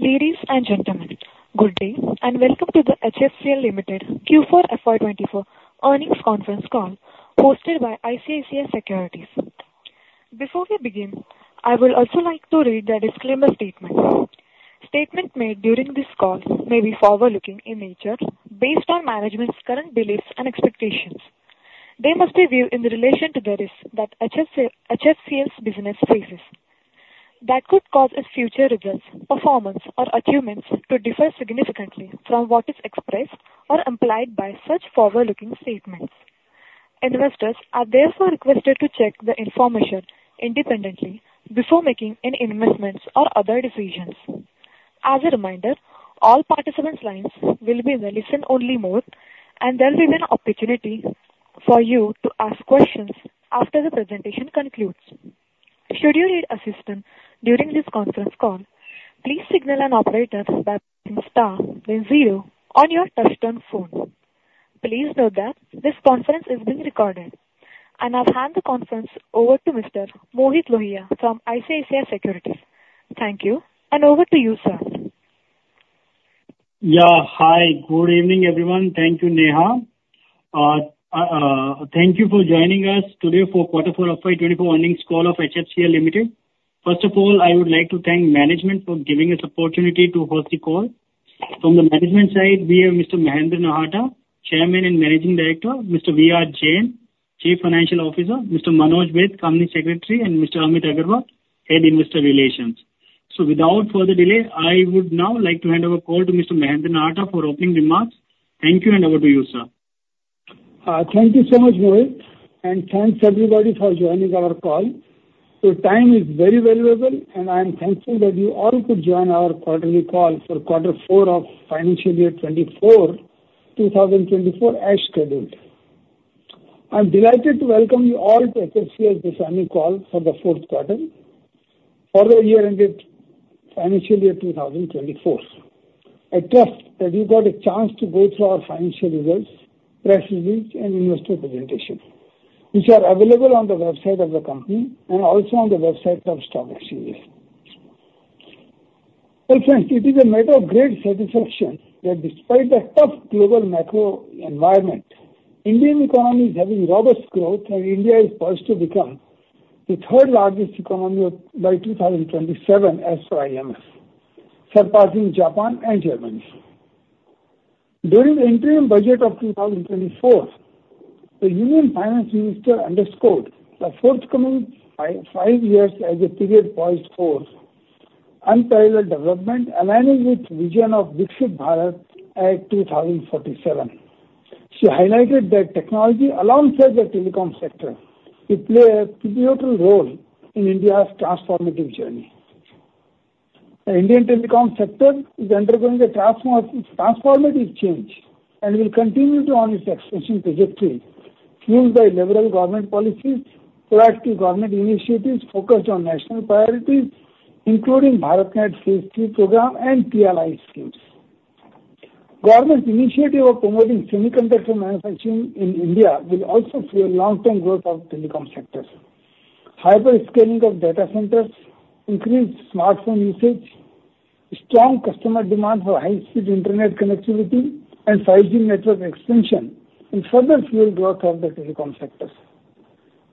Ladies and gentlemen, good day and welcome to the HFCL Limited Q4 FY24 Earnings Conference Call hosted by ICICI Securities. Before we begin, I would also like to read the disclaimer statement. Statements made during this call may be forward-looking in nature based on management's current beliefs and expectations. They must be viewed in relation to the risks that HFCL's business faces. That could cause its future results, performance, or achievements to differ significantly from what is expressed or implied by such forward-looking statements. Investors are therefore requested to check the information independently before making any investments or other decisions. As a reminder, all participants' lines will be in the listen-only mode, and there will be an opportunity for you to ask questions after the presentation concludes. Should you need assistance during this conference call, please signal an operator by pressing star zero on your touchscreen phone. Please note that this conference is being recorded, and I've handed the conference over to Mr. Mohit Lohia from ICICI Securities. Thank you, and over to you, sir. Yeah, hi. Good evening, everyone. Thank you, Neha. Thank you for joining us today for Q4 FY24 Earnings Call of HFCL Limited. First of all, I would like to thank management for giving us the opportunity to host the call. From the management side, we have Mr. Mahendra Nahata, Chairman and Managing Director, Mr. V. R. Jain, Chief Financial Officer, Mr. Manoj Baid, Company Secretary, and Mr. Amit Agarwal, Head Investor Relations. So without further delay, I would now like to hand over the call to Mr. Mahendra Nahata for opening remarks. Thank you, and over to you, sir. Thank you so much, Mohit, and thanks everybody for joining our call. So time is very valuable, and I am thankful that you all could join our quarterly call for Q4 of financial year 2024, 2024, as scheduled. I'm delighted to welcome you all to HFCL's this earnings call for the fourth quarter for the year-ended financial year 2024. I trust that you got a chance to go through our financial results, press release, and investor presentations, which are available on the website of the company and also on the website of stock exchanges. Well, friends, it is a matter of great satisfaction that despite the tough global macro environment, Indian economy is having robust growth, and India is poised to become the third-largest economy by 2027 as per IMF, surpassing Japan and Germany. During the interim budget of 2024, the Union Finance Minister underscored the forthcoming five years as a period poised for unparalleled development, aligning with the vision of Viksit Bharat at 2047. She highlighted that technology, alongside the telecom sector, will play a pivotal role in India's transformative journey. The Indian telecom sector is undergoing a transformative change and will continue on its expansion trajectory fueled by liberal government policies, proactive government initiatives focused on national priorities, including BharatNet phase III program and PLI schemes. Government's initiative of promoting semiconductor manufacturing in India will also fuel long-term growth of the telecom sector. Hyperscaling of data centers, increased smartphone usage, strong customer demand for high-speed internet connectivity, and 5G network expansion will further fuel growth of the telecom sector.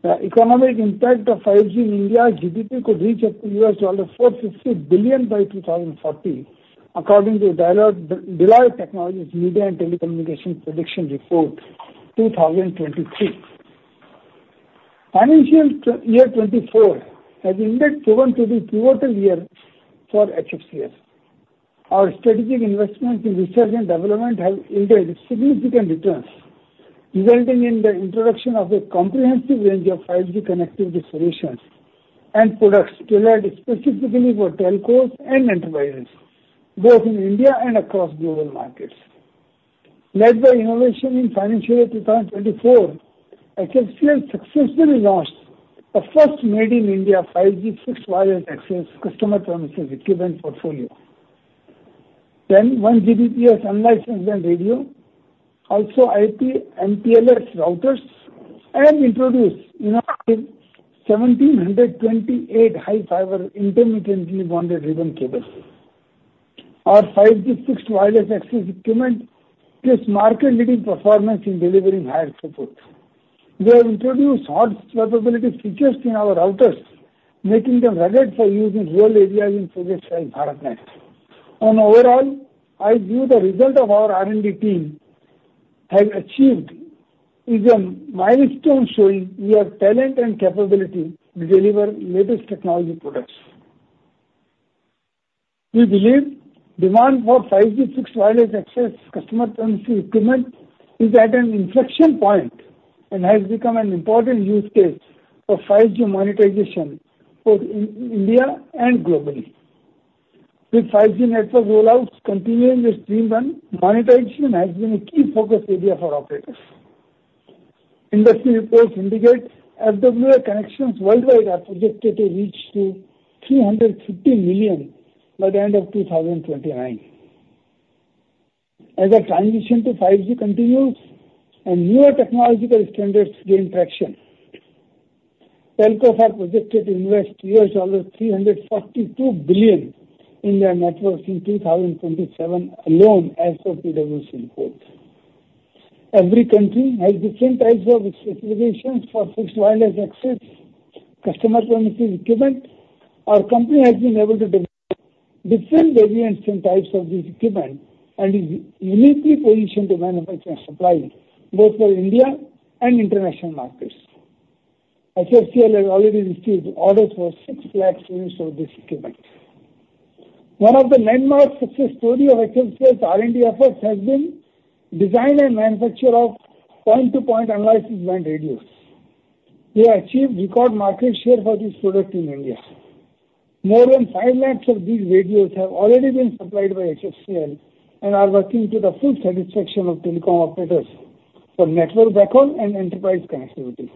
The economic impact of 5G in India's GDP could reach up to $450 billion by 2040, according to Deloitte's Technology, Media, and Telecommunications Prediction Report 2023. Financial year 2024 has indeed proven to be a pivotal year for HFCL. Our strategic investments in research and development have yielded significant returns, resulting in the introduction of a comprehensive range of 5G connectivity solutions and products tailored specifically for telcos and enterprises, both in India and across global markets. Led by innovation in financial year 2024, HFCL successfully launched the first made-in-India 5G fixed wireless access customer premises equipment portfolio, then 1 Gbps unlicensed band radio, also IP MPLS routers, and introduced innovative 1,728-fiber intermittently bonded ribbon cables. Our 5G fixed wireless access equipment gives market-leading performance in delivering higher throughput. We have introduced hot swappability features in our routers, making them rugged for use in rural areas in projects like BharatNet. Overall, I view the result of our R&D team has achieved is a milestone showing we have talent and capability to deliver the latest technology products. We believe demand for 5G fixed wireless access customer premises equipment is at an inflection point and has become an important use case for 5G monetization both in India and globally. With 5G network rollouts continuing, with streamlined monetization has been a key focus area for operators. Industry reports indicate FWA connections worldwide are projected to reach 350 million by the end of 2029. As the transition to 5G continues, newer technological standards gain traction. Telcos are projected to invest $342 billion in their networks in 2027 alone, as per PwC reports. Every country has different types of specifications for fixed wireless access customer premise equipment. Our company has been able to develop different variants and types of this equipment and is uniquely positioned to manufacture and supply both for India and international markets. HFCL has already received orders for 600,000 units of this equipment. One of the landmark success stories of HFCL's R&D efforts has been the design and manufacture of point-to-point unlicensed band radios. We have achieved record market share for this product in India. More than 500,000 of these radios have already been supplied by HFCL and are working to the full satisfaction of telecom operators for network backhaul and enterprise connectivity.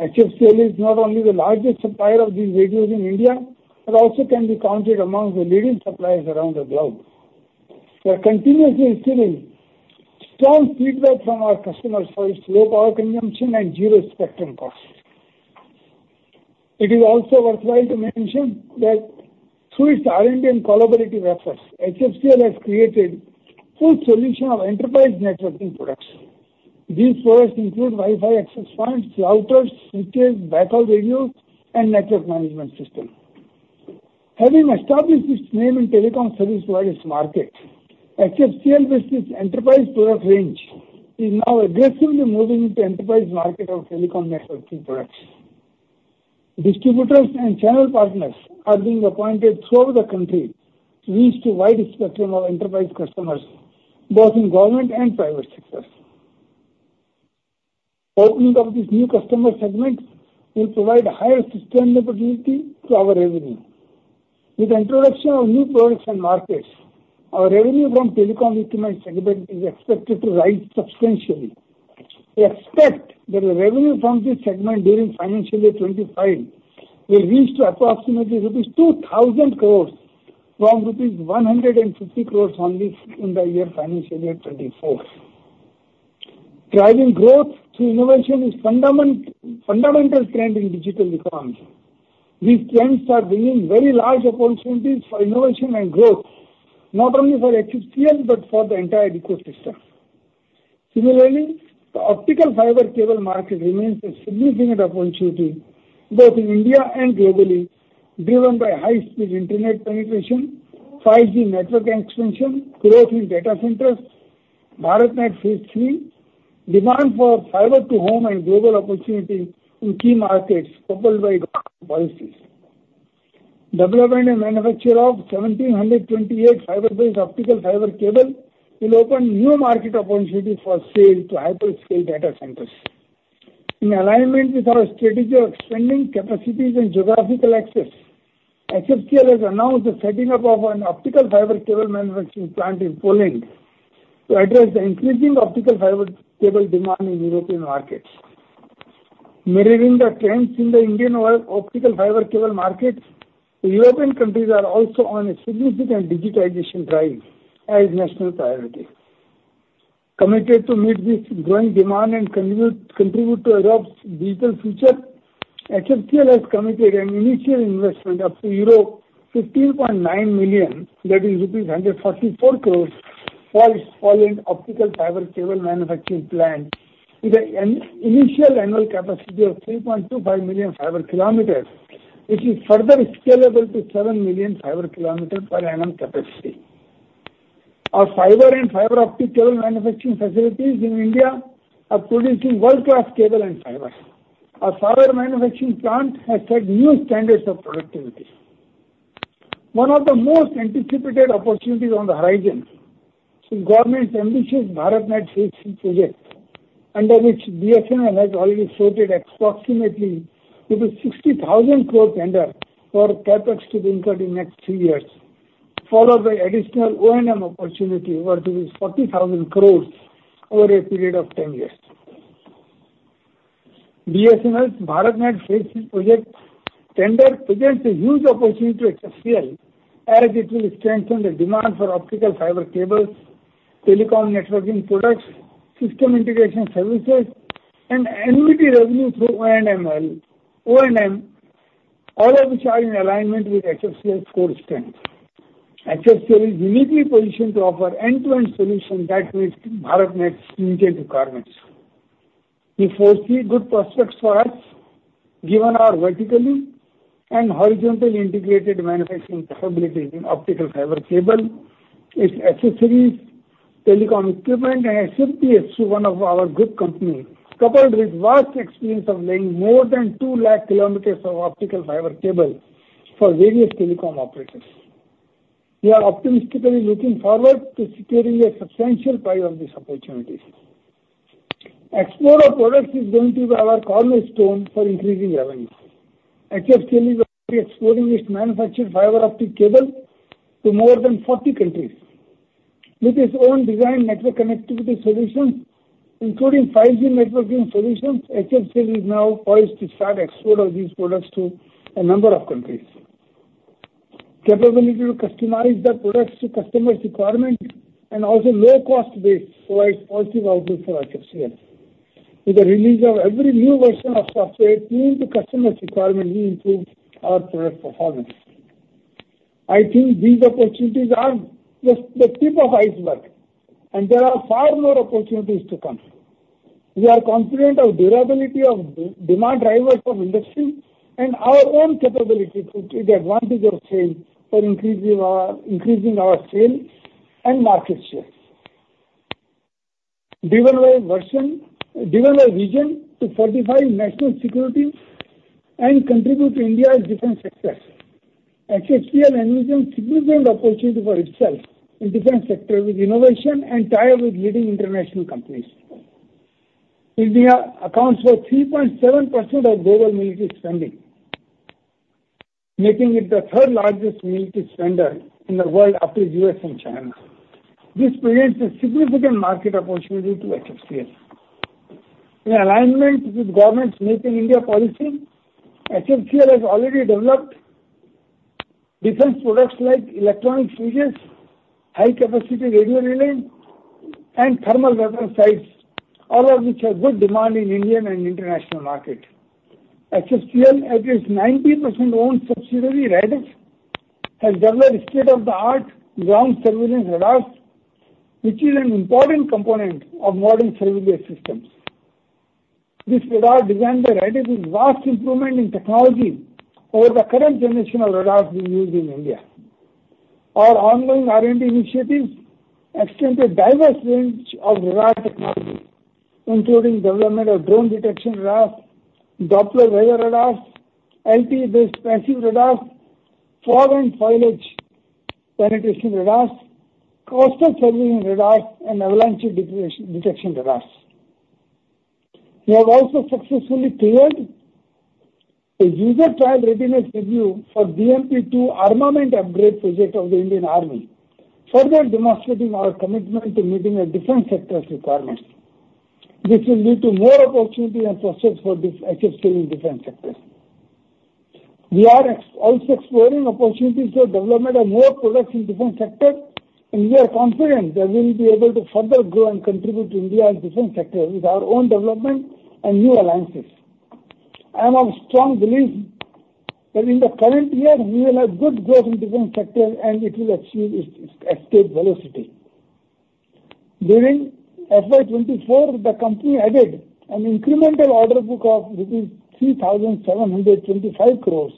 HFCL is not only the largest supplier of these radios in India but also can be counted amongst the leading suppliers around the globe. We are continuously receiving strong feedback from our customers for its low power consumption and zero-spectrum costs. It is also worthwhile to mention that through its R&D and scalability efforts, HFCL has created a full solution of enterprise networking products. These products include Wi-Fi access points, routers, switches, backhaul radios, and network management systems. Having established its name in the telecom service providers' market, HFCL, with its enterprise product range, is now aggressively moving into the enterprise market of telecom networking products. Distributors and channel partners are being appointed throughout the country to reach the wide spectrum of enterprise customers, both in government and private sectors. Opening of this new customer segment will provide higher sustainability to our revenue. With the introduction of new products and markets, our revenue from telecom equipment segment is expected to rise substantially. We expect that the revenue from this segment during financial year 2025 will reach approximately rupees 2,000 crores from rupees 150 crores only in the year financial year 2024. Driving growth through innovation is a fundamental trend in digital economies. These trends are bringing very large opportunities for innovation and growth, not only for HFCL but for the entire ecosystem. Similarly, the optical fiber cable market remains a significant opportunity both in India and globally, driven by high-speed internet penetration, 5G network expansion, growth in data centers, BharatNet phase III, demand for fiber-to-home and global opportunities in key markets coupled by government policies. Development and manufacture of 1,728 fiber-based optical fiber cables will open new market opportunities for sale to hyperscale data centers. In alignment with our strategic expanding capacities and geographical access, HFCL has announced the setting up of an optical fiber cable manufacturing plant in Poland to address the increasing optical fiber cable demand in European markets. Mirroring the trends in the Indian optical fiber cable market, European countries are also on a significant digitization drive as a national priority. Committed to meet this growing demand and contribute to Europe's digital future, HFCL has committed an initial investment of euro 15.9 million, that is, rupees 144 crore, for its Poland optical fiber cable manufacturing plant, with an initial annual capacity of 3.25 million fiber kilometers, which is further scalable to seven million fiber kilometers per annum capacity. Our fiber and fiber optic cable manufacturing facilities in India are producing world-class cable and fiber. Our fiber manufacturing plant has set new standards of productivity. One of the most anticipated opportunities on the horizon is the government's ambitious BharatNet Phase III project, under which BSNL has already slotted approximately 60,000 crore tender for CapEx to be incurred in the next three years, followed by additional O&M opportunity worth 40,000 crores over a period of 10 years. BSNL's BharatNet phase III project tender presents a huge opportunity to HFCL, as it will strengthen the demand for optical fiber cables, telecom networking products, system integration services, and annuity revenue through O&M, all of which are in alignment with HFCL's core strength. HFCL is uniquely positioned to offer an end-to-end solution that meets BharatNet's unique requirements. We foresee good prospects for us given our vertically and horizontally integrated manufacturing capabilities in optical fiber cable, its accessories, telecom equipment, and HFCL as one of our group companies, coupled with vast experience of laying more than 200,000 kilometers of optical fiber cables for various telecom operators. We are optimistically looking forward to securing a substantial piece of this opportunity. Export our products is going to be our cornerstone for increasing revenue. HFCL is already exporting its manufactured fiber optic cable to more than 40 countries. With its own designed network connectivity solutions, including 5G networking solutions, HFCL is now poised to start the export of these products to a number of countries. The capability to customize the products to customers' requirements and also low-cost base provides positive outlooks for HFCL. With the release of every new version of software tuned to customers' requirements, we improve our product performance. I think these opportunities are the tip of the iceberg, and there are far more opportunities to come. We are confident in the durability of demand drivers of industry and our own capability to take advantage of sales for increasing our sales and market share. Driven by vision to fortify national security and contribute to India's defense sector, HFCL envisions a significant opportunity for itself in the defense sector with innovation and ties with leading international companies. India accounts for 3.7% of global military spending, making it the third-largest military spender in the world after the U.S. and China. This presents a significant market opportunity to HFCL. In alignment with government's Made in India policy, HFCL has already developed defense products like electronic switches, high-capacity radio relays, and thermal weapon sights, all of which have good demand in the Indian and international markets. HFCL, at its 90% owned subsidiary, Raddef, has developed state-of-the-art ground surveillance radars, which is an important component of modern surveillance systems. This radar design by Raddef is a vast improvement in technology over the current generation of radars being used in India. Our ongoing R&D initiatives extend to a diverse range of radar technologies, including the development of drone detection radars, Doppler weather radars, LTE-based passive radars, fog and foliage penetration radars, coastal surveillance radars, and avalanche detection radars. We have also successfully tailored a user trial readiness review for the BMP-2 armament upgrade project of the Indian Army, further demonstrating our commitment to meeting the defense sector's requirements. This will lead to more opportunities and prospects for HFCL in the defense sector. We are also exploring opportunities for the development of more products in the defense sector, and we are confident that we will be able to further grow and contribute to India's defense sector with our own development and new alliances. I am of strong belief that in the current year, we will have good growth in the defense sector, and it will achieve its escape velocity. During FY24, the company added an incremental order book of rupees 3,725 crores,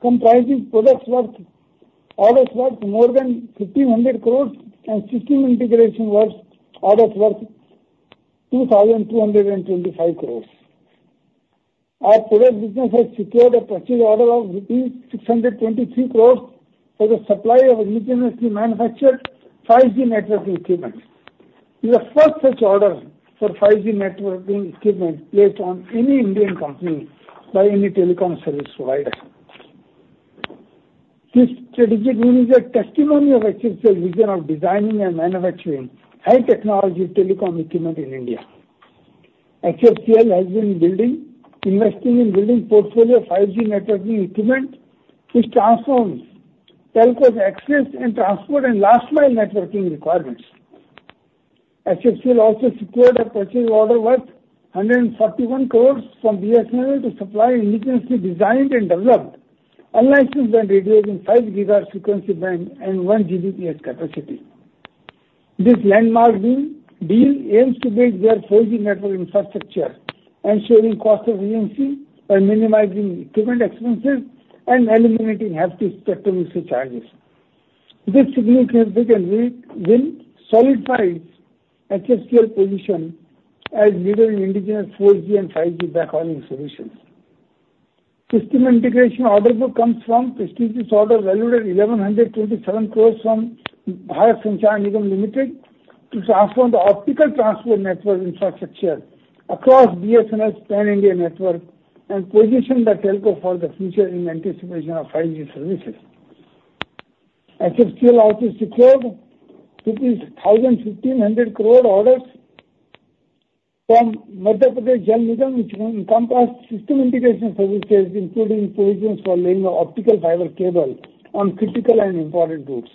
comprising orders worth more than 1,500 crores and system integration orders worth 2,225 crores. Our product business has secured a purchase order of rupees 623 crores for the supply of indigenously manufactured 5G networking equipment. It is the first such order for 5G networking equipment placed on any Indian company by any telecom service provider. This strategic move is a testimony of HFCL's vision of designing and manufacturing high-technology telecom equipment in India. HFCL has been investing in building a portfolio of 5G networking equipment which transforms telcos' access and transport and last-mile networking requirements. HFCL also secured a purchase order worth 141 crore from BSNL to supply indigenously designed and developed unlicensed band radios in 5 GHz frequency band and 1 Gbps capacity. This landmark deal aims to build their 4G network infrastructure, ensuring cost efficiency by minimizing equipment expenses and eliminating hefty spectrum usage charges. This significant win solidifies HFCL's position as a leader in indigenous 4G and 5G backhauling solutions. The system integration order book comes from a prestigious order valued at 1,127 crore from Bharat Sanchar Nigam Limited to transform the optical transport network infrastructure across BSNL's Pan-India network and position the telco for the future in anticipation of 5G services. HFCL also secured INR 1,500 crore orders from Madhya Pradesh Jal Nigam, which encompassed system integration services including provisions for laying of optical fiber cable on critical and important routes.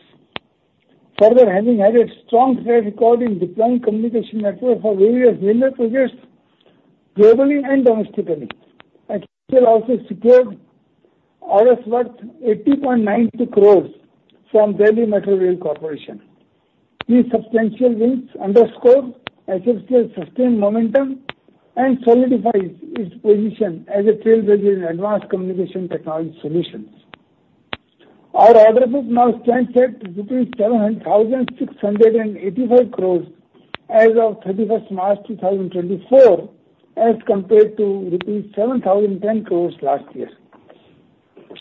Further having added a strong track record in deploying communication networks for various marquee projects globally and domestically, HFCL also secured orders worth 80.92 crores from Delhi Metro Rail Corporation. These substantial wins underscore HFCL's sustained momentum and solidify its position as a trailblazer in advanced communication technology solutions. Our order book now stands at 7,685 crores as of 31st March 2024, as compared to 7,010 crores last year.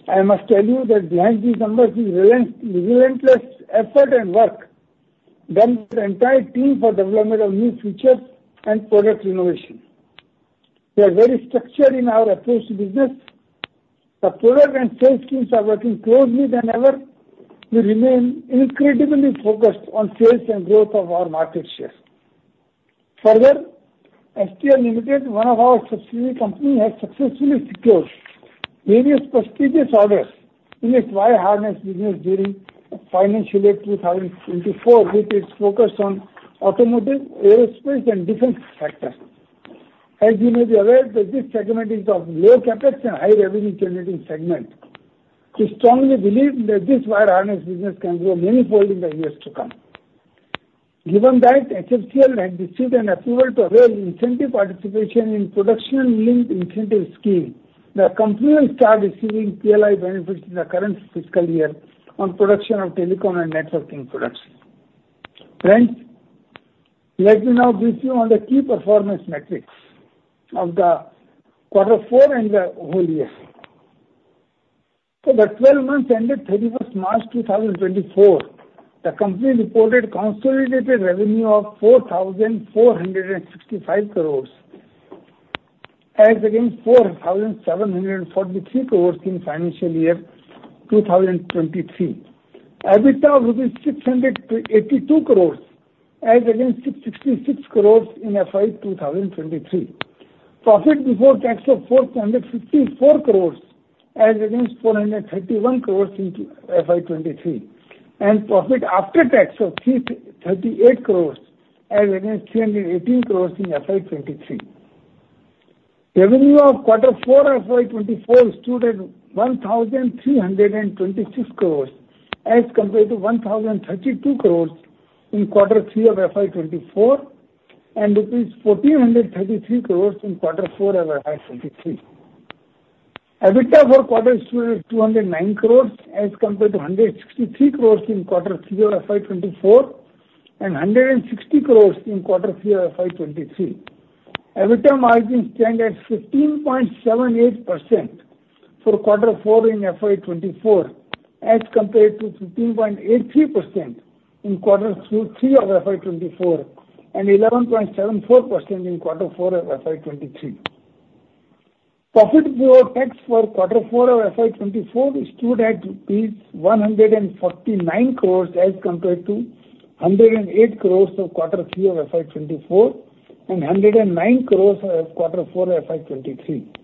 I must tell you that behind these numbers is the relentless effort and work done by the entire team for the development of new features and product innovation. We are very structured in our approach to business. The product and sales teams are working closely than ever. We remain incredibly focused on sales and growth of our market share. Further, HTL Limited, one of our subsidiary companies, has successfully secured various prestigious orders in its wire harness business during financial year 2024, with its focus on automotive, aerospace, and defense sectors. As you may be aware, this segment is of low CapEx and high revenue-generating segment. We strongly believe that this wire harness business can grow manifold in the years to come. Given that, HFCL has received an approval to avail incentive participation in the production-linked incentive scheme. The company will start receiving PLI benefits in the current fiscal year on the production of telecom and networking products. Friends, let me now brief you on the key performance metrics of quarter four and the whole year. For the 12 months ended 31st March 2024, the company reported consolidated revenue of 4,465 crores as against 4,743 crores in the financial year 2023. EBITDA of rupees 682 crores as against 666 crores in FY2023. Profit before tax of 454 crores as against 431 crores in FY23, and profit after tax of 338 crores as against 318 crores in FY23. Revenue of quarter four FY24 stood at 1,326 crores as compared to 1,032 crores in quarter three of FY24 and rupees 1,433 crores in quarter four of FY23. EBITDA for quarter four stood at 209 crores as compared to 163 crores in quarter three of FY24 and 160 crores in quarter three of FY23. EBITDA margin stands at 15.78% for quarter four in FY24 as compared to 15.83% in quarter three of FY24 and 11.74% in quarter four of FY23. Profit before tax for quarter four of FY24 stood at rupees 149 crores as compared to 108 crores of quarter three of FY24 and 109 crores of quarter four of FY23.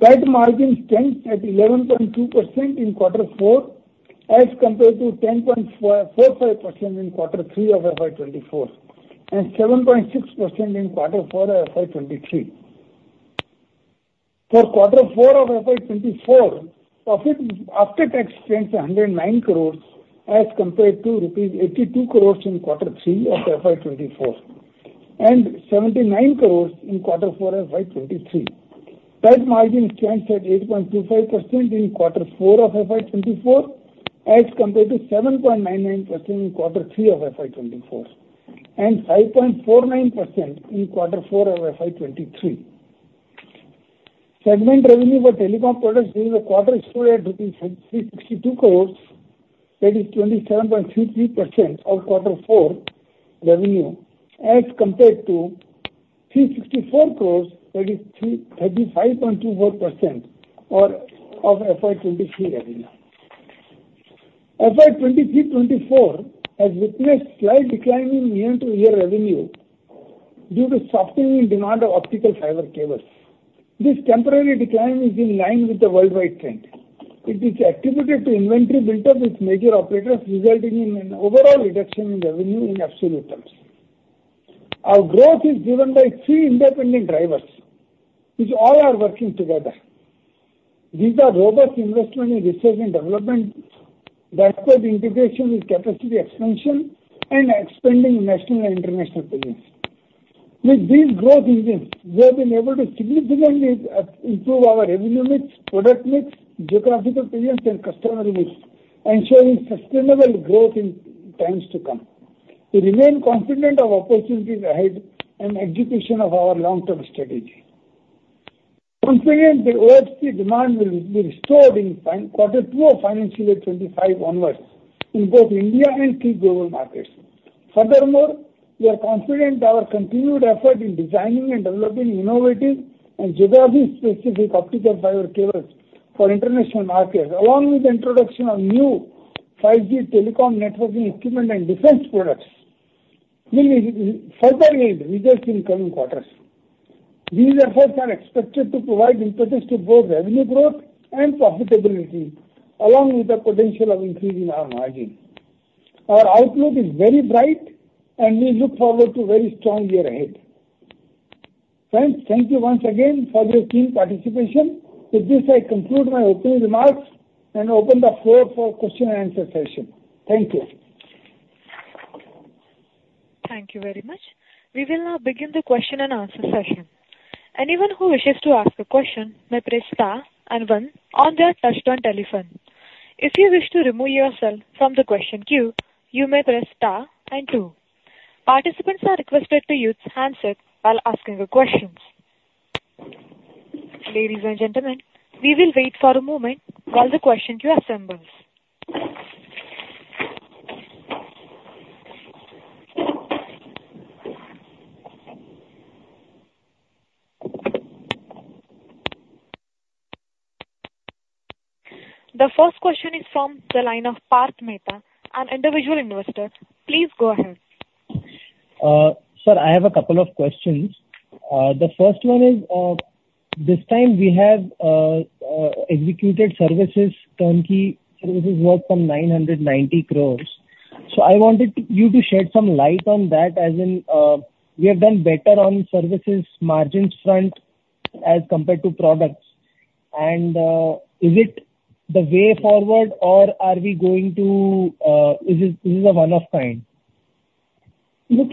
Net margin stands at 11.2% in quarter four as compared to 10.45% in quarter three of FY24 and 7.6% in quarter four of FY23. For quarter four of FY24, profit after tax stands at 109 crores as compared to rupees 82 crores in quarter three of FY24 and 79 crores in quarter four of FY23. Net margin stands at 8.25% in quarter four of FY24 as compared to 7.99% in quarter three of FY24 and 5.49% in quarter four of FY23. Segment revenue for telecom products during the quarter stood at rupees 362 crores, that is 27.33% of quarter four revenue as compared to 364 crores, that is 35.24% of FY23 revenue. FY23-24 has witnessed a slight decline in year-to-year revenue due to a softening demand of optical fiber cables. This temporary decline is in line with the worldwide trend. It is attributed to inventory buildup with major operators, resulting in an overall reduction in revenue in absolute terms. Our growth is driven by three independent drivers, which all are working together. These are robust investment in research and development, system integration with capacity expansion, and expanding national and international positions. With these growth engines, we have been able to significantly improve our revenue mix, product mix, geographical positions, and customer mix, ensuring sustainable growth in times to come. We remain confident in opportunities ahead and the execution of our long-term strategy, confident the OFC demand will be restored in quarter two of financial year 2025 onwards in both India and key global markets. Furthermore, we are confident our continued effort in designing and developing innovative and geography-specific optical fiber cables for international markets, along with the introduction of new 5G telecom networking equipment and defense products, will further yield results in the coming quarters. These efforts are expected to provide impetus to both revenue growth and profitability, along with the potential of increasing our margin. Our outlook is very bright, and we look forward to a very strong year ahead. Friends, thank you once again for your keen participation. With this, I conclude my opening remarks and open the floor for a question-and-answer session. Thank you. Thank you very much. We will now begin the question-and-answer session. Anyone who wishes to ask a question may press Star and 1 on their touchscreen telephone. If you wish to remove yourself from the question queue, you may press star and two. Participants are requested to use handset while asking questions. Ladies and gentlemen, we will wait for a moment while the question queue assembles. The first question is from the line of Parth Mehta, an individual investor. Please go ahead. Sir, I have a couple of questions. The first one is, this time, we have executed services turnkey services worth some 990 crore. So I wanted you to shed some light on that, as in we have done better on services margins front as compared to products. And is it the way forward, or are we going to is this a one-off kind? Look,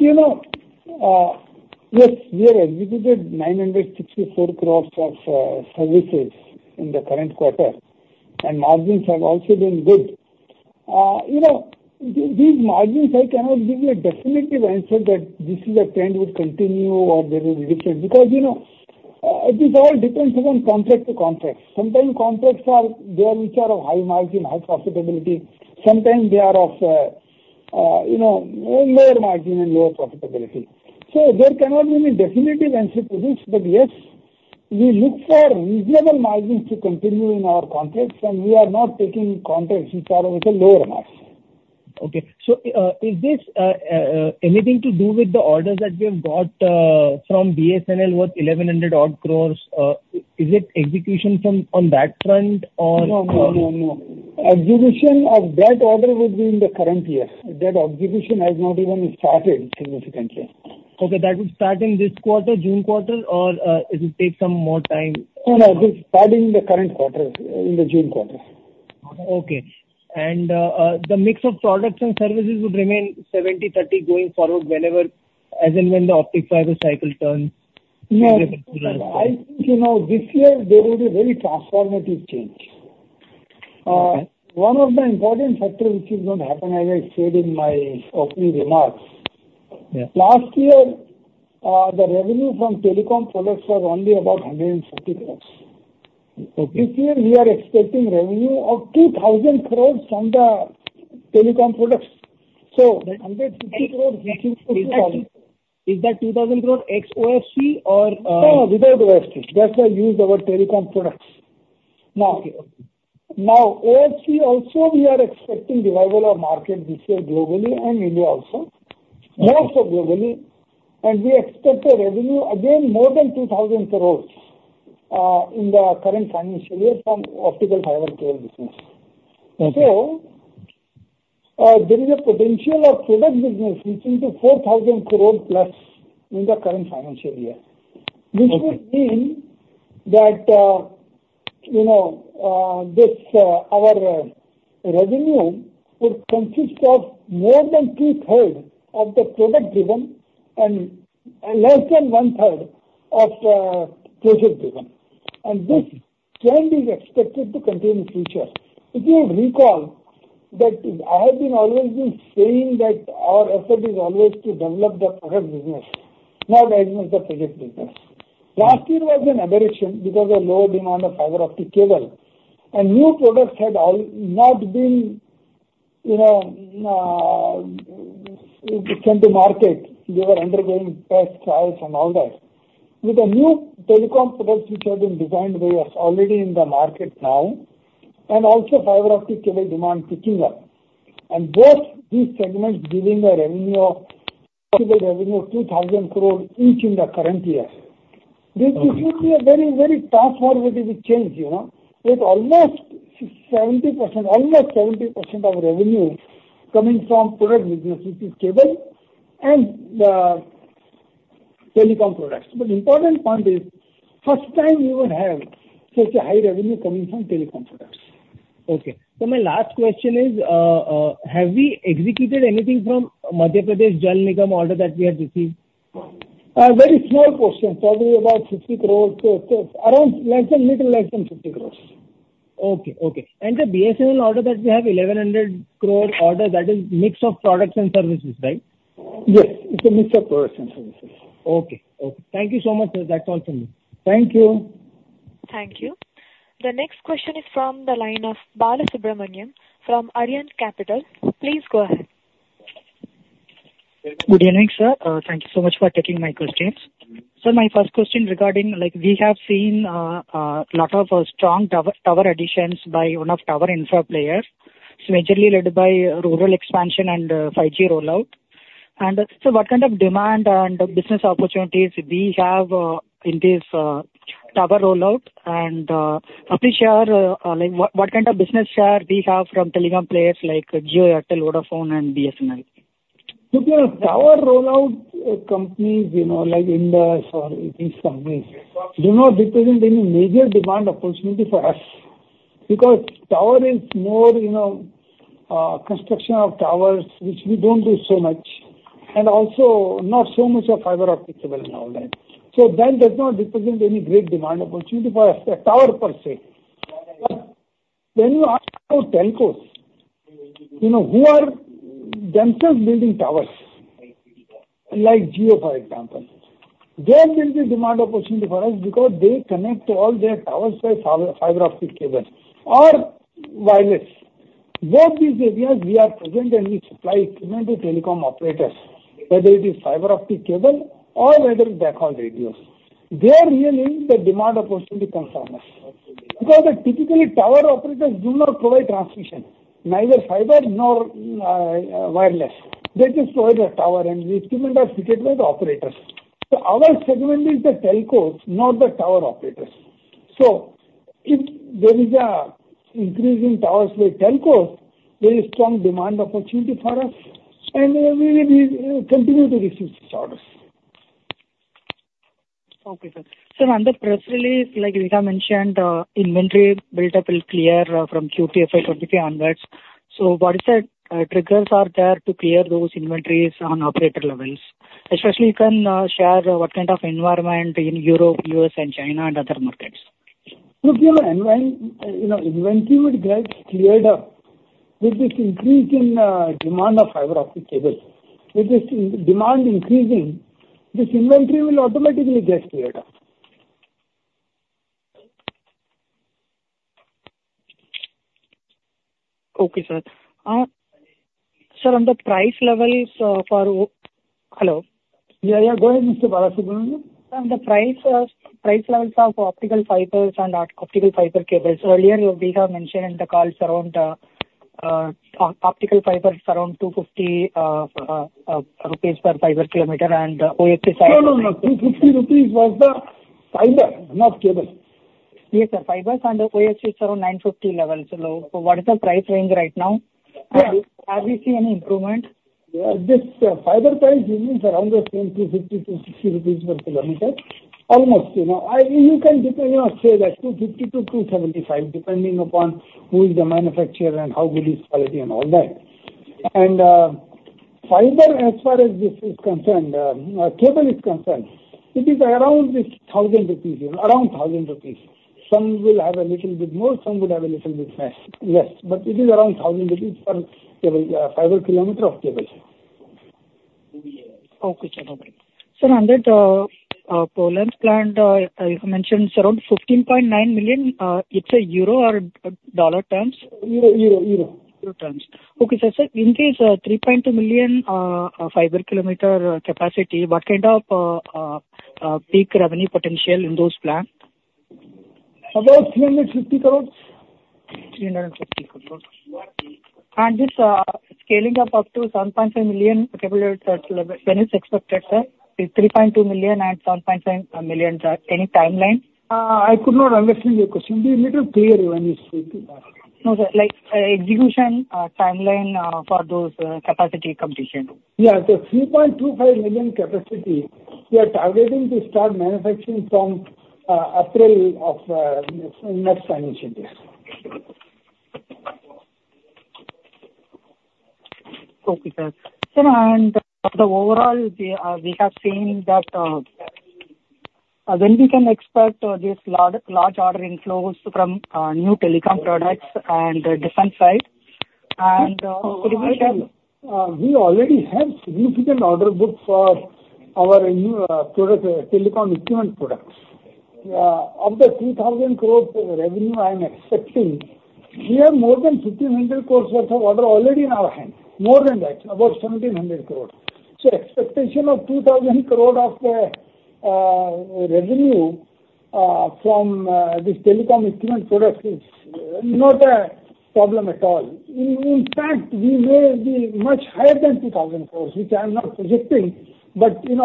yes, we have executed 964 crore of services in the current quarter, and margins have also been good. These margins, I cannot give you a definitive answer that this is a trend that will continue or there will be a difference because this all depends upon contract to contract. Sometimes, contracts are there which are of high margin, high profitability. Sometimes, they are of lower margin and lower profitability. So there cannot be any definitive answer to this. But yes, we look for reasonable margins to continue in our contracts, and we are not taking contracts which are of a lower margin. Okay. So is this anything to do with the orders that we have got from BSNL worth 1,100-odd crores? Is it execution on that front, or? No, no, no, no. Execution of that order would be in the current year. That execution has not even started significantly. Okay. That would start in this quarter, June quarter, or it will take some more time? No, no. It will start in the current quarter, in the June quarter. Okay. And the mix of products and services would remain 70/30 going forward whenever, as in when the optic fiber cycle turns? No, I think this year, there will be a very transformative change. One of the important factors which is going to happen, as I said in my opening remarks, last year, the revenue from telecom products was only about 150 crores. This year, we are expecting revenue of 2,000 crores from the telecom products. So 150 crores reaching to 2,000 crores. Is that 2,000 crores ex-OFC, or? No, no, without OFC. That's the use of our telecom products. Now, OFC also, we are expecting revival of market this year globally and India also, most of globally. And we expect a revenue, again, more than 2,000 crore in the current financial year from optical fiber cable business. So there is a potential of product business reaching to 4,000 crore+ in the current financial year, which would mean that our revenue would consist of more than two-thirds of the product-driven and less than one-third of project-driven. And this trend is expected to continue in the future. If you recall that I have always been saying that our effort is always to develop the product business, not as much the project business. Last year was an aberration because of lower demand of fiber optic cable. And new products had not been sent to market. They were undergoing test trials and all that. With the new telecom products, which have been designed by us, already in the market now and also fiber optic cable demand picking up and both these segments giving a revenue of possible revenue of 2,000 crore each in the current year, this would be a very, very transformative change. With almost 70% of revenue coming from product business, which is cable and telecom products. But the important point is, first time we will have such a high revenue coming from telecom products. Okay. My last question is, have we executed anything from Madhya Pradesh Jal Nigam order that we have received? Very small portion. Probably about 50 crore. Around a little less than 50 crore. Okay, okay. And the BSNL order that we have, 1,100 crore order, that is a mix of products and services, right? Yes. It's a mix of products and services. Okay, okay. Thank you so much, sir. That's all from me. Thank you. Thank you. The next question is from the line of Balasubramanian from Arihant Capital. Please go ahead. Good evening, sir. Thank you so much for taking my questions. Sir, my first question regarding, we have seen a lot of strong tower additions by one of tower infra players, majorly led by rural expansion and 5G rollout. And sir, what kind of demand and business opportunities do we have in this tower rollout? And what kind of business share do we have from telecom players like Jio, Airtel, Vodafone, and BSNL? Look, tower rollout companies like Indus Towers or these companies do not represent any major demand opportunity for us because tower is more construction of towers, which we don't do so much, and also not so much of fiber optic cable and all that. So that does not represent any great demand opportunity for us, a tower per se. But when you ask about telcos, who are themselves building towers like Jio, for example, they have built this demand opportunity for us because they connect all their towers by fiber optic cable or wireless. Both these areas, we are present, and we supply equipment to telecom operators, whether it is fiber optic cable or whether it's backhaul radios. They are really the demand opportunity comes from us because typically, tower operators do not provide transmission, neither fiber nor wireless. They just provide a tower, and the equipment is fitted by the operators. So our segment is the telcos, not the tower operators. So if there is an increase in towers by telcos, there is strong demand opportunity for us, and we will continue to receive such orders. Okay, sir. Sir, on the press release, like V.R. Jain mentioned, inventory buildup will clear from Q4 FY23 onwards. So what is that triggers are there to clear those inventories on operator levels? Especially, you can share what kind of environment in Europe, US, and China, and other markets. Look, inventory would get cleared up with this increase in demand of fiber optic cable. With this demand increasing, this inventory will automatically get cleared up. Okay, sir. Sir, on the price levels for hello? Yeah, yeah. Go ahead, Mr. Balasubramanian. Sir, on the price levels of optical fibers and optical fiber cables, earlier, V.R. mentioned in the calls around optical fibers around 250 rupees per fiber kilometer and OFC side. No, no, no. 250 rupees was the fiber, not cable. Yes, sir. Fibers and OFC is around INR 950 levels. So what is the price range right now? Have you seen any improvement? This fiber price, you mean around the same 250, 260 rupees per kilometer? Almost. You can say that 250-275, depending upon who is the manufacturer and how good is quality and all that. And fiber, as far as this is concerned, cable is concerned, it is around 1,000 rupees, around 1,000 rupees. Some will have a little bit more. Some will have a little bit less. But it is around 1,000 rupees per fiber kilometer of cable. Okay, sir. No problem. Sir, on that Poland plant, you mentioned around 15.9 million. It's a Euro or dollar terms? Euro, euro, euro. Euro terms. Okay, sir. So in this 3.2 million fiber-kilometer capacity, what kind of peak revenue potential in those plans? About 350 crore. 350 crores. This scaling up to 7.5 million cable when it's expected, sir? 3.2 million and 7.5 million, any timeline? I could not understand your question. Be a little clearer when you speak. No, sir. Execution timeline for those capacity completion. Yeah. The 3.25 million capacity, we are targeting to start manufacturing from April of next financial year. Okay, sir. Sir, and overall, we have seen that when we can expect these large order inflows from new telecom products and defense side. Could you share? We already have significant order book for our telecom equipment products. Of the 2,000 crore revenue I am expecting, we have more than 1,500 crore worth of order already in our hands, more than that, about 1,700 crore. So expectation of 2,000 crore of revenue from these telecom equipment products is not a problem at all. In fact, we may be much higher than 2,000 crore, which I am not projecting. But when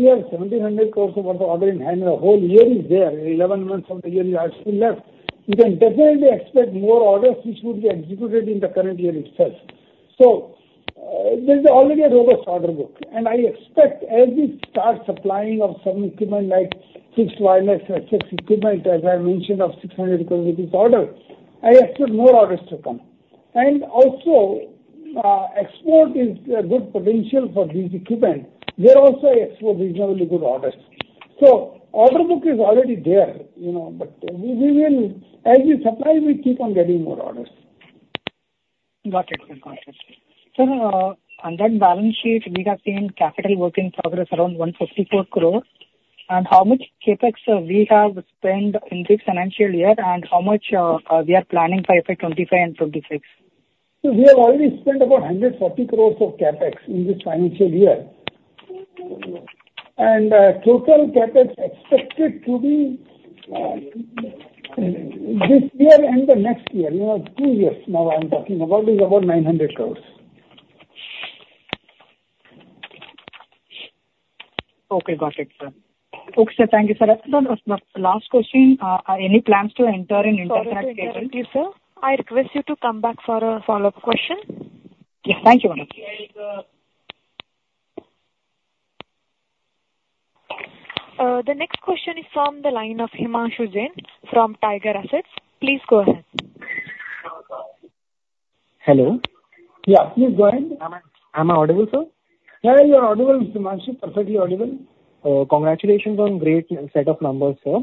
you have 1,700 crore worth of order in hand, the whole year is there. 11 months of the year are still left. You can definitely expect more orders, which would be executed in the current year itself. So there's already a robust order book. And I expect, as we start supplying of some equipment like fixed wireless, fixed equipment, as I mentioned, of 600 crore it is ordered, I expect more orders to come. And also, export is a good potential for this equipment. There also, I expect reasonably good orders. So order book is already there. But as we supply, we keep on getting more orders. Got it. Okay, sir. Sir, on that balance sheet, we have seen capital work in progress around 154 crore. How much CapEx we have spent in this financial year and how much we are planning for FY 2025 and 2026? So we have already spent about 140 crores of CapEx in this financial year. Total CapEx expected to be this year and the next year, two years now I am talking about, is about 900 crores. Okay, got it, sir. Okay, sir. Thank you, sir. Last question. Any plans to enter in internet cable? Thank you, sir. I request you to come back for a follow-up question. Yes. Thank you, Manoj. The next question is from the line of Himanshu Jain from Tiger Assets. Please go ahead. Hello? Yeah, please go ahead. Am I audible, sir? Yeah, you are audible, Himanshu, perfectly audible. Congratulations on a great set of numbers, sir.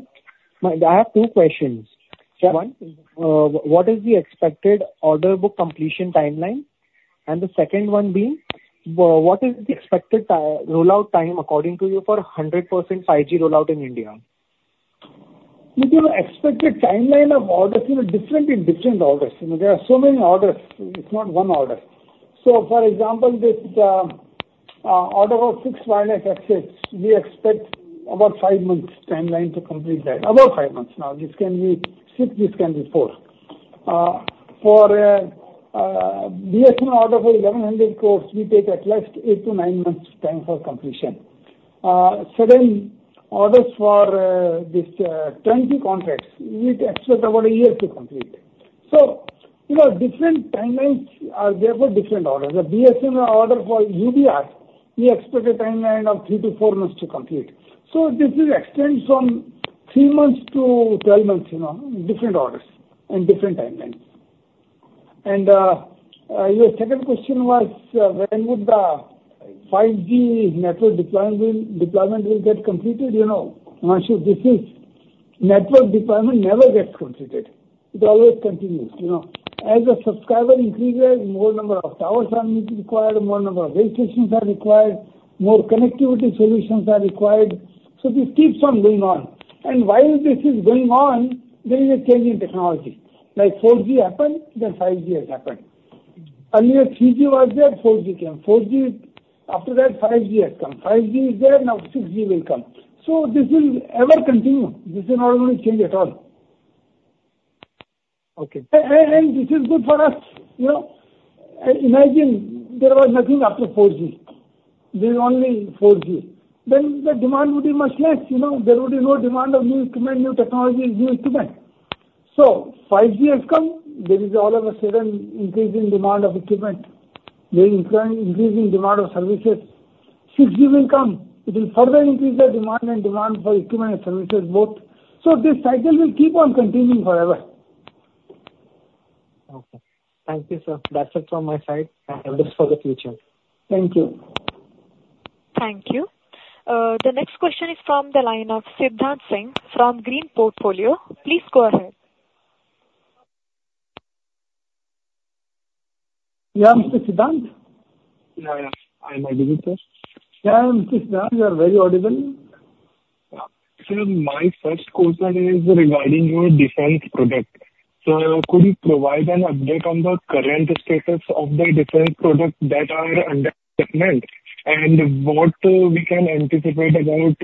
I have two questions. One, what is the expected order book completion timeline? And the second one being, what is the expected rollout time according to you for 100% 5G rollout in India? Look, the expected timeline of orders is different in different orders. There are so many orders. It's not one order. So, for example, this order of fixed wireless access, we expect about five months timeline to complete that, about five months now. This can be six. This can be four. For BSNL order for 1,100 crores, we take at least eight to nine months time for completion. Certain orders for these 20 contracts, we expect about one year to complete. So different timelines are there for different orders. The BSNL order for UBR, we expect a timeline of three to four months to complete. So this extends from three months to 12 months, different orders and different timelines. And your second question was, when would the 5G network deployment get completed? Himanshu, this is network deployment never gets completed. It always continues. As the subscriber increases, more number of towers are required, more number of base stations are required, more connectivity solutions are required. So this keeps on going on. And while this is going on, there is a change in technology. Like 4G happened, then 5G has happened. Earlier, 3G was there. 4G came. After that, 5G has come. 5G is there. Now, 6G will come. So this will ever continue. This is not going to change at all. And this is good for us. Imagine there was nothing after 4G. There is only 4G. Then the demand would be much less. There would be no demand of new equipment, new technologies, new equipment. So 5G has come. There is all of a sudden increase in demand of equipment, increasing demand of services. 6G will come. It will further increase the demand and demand for equipment and services both. So this cycle will keep on continuing forever. Okay. Thank you, sir. That's it from my side. I hope this is for the future. Thank you. Thank you. The next question is from the line of Siddhant Singh from Green Portfolio. Please go ahead. Yeah, Mr. Siddhant? Yeah, yeah. I'm audible, sir. Yeah, Mr. Siddhant, you are very audible. Sir, my first question is regarding your defense product. So could you provide an update on the current status of the defense products that are under development and what we can anticipate about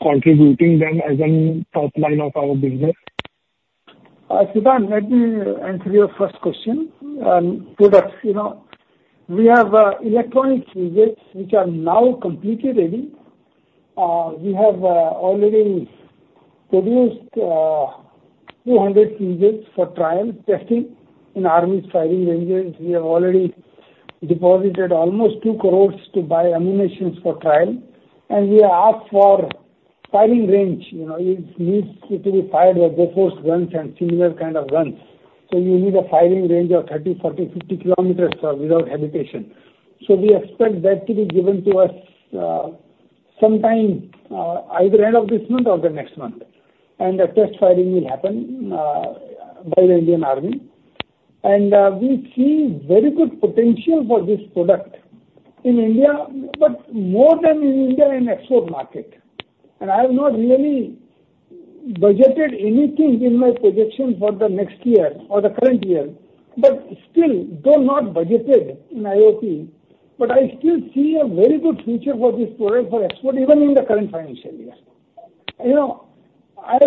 contributing them as a top line of our business? Siddhant, let me answer your first question. Products, we have electronic fuses which are now completely ready. We have already produced 200 fuses for trial testing in army's firing ranges. We have already deposited almost 2 crore to buy ammunitions for trial. We ask for firing range. It needs to be fired with air force guns and similar kind of guns. So you need a firing range of 30km-50 km without hesitation. So we expect that to be given to us sometime either end of this month or the next month. The test firing will happen by the Indian Army. We see very good potential for this product in India, but more than in India in export market. I have not really budgeted anything in my projection for the next year or the current year, but still, though not budgeted in AOP, but I still see a very good future for this product for export even in the current financial year. As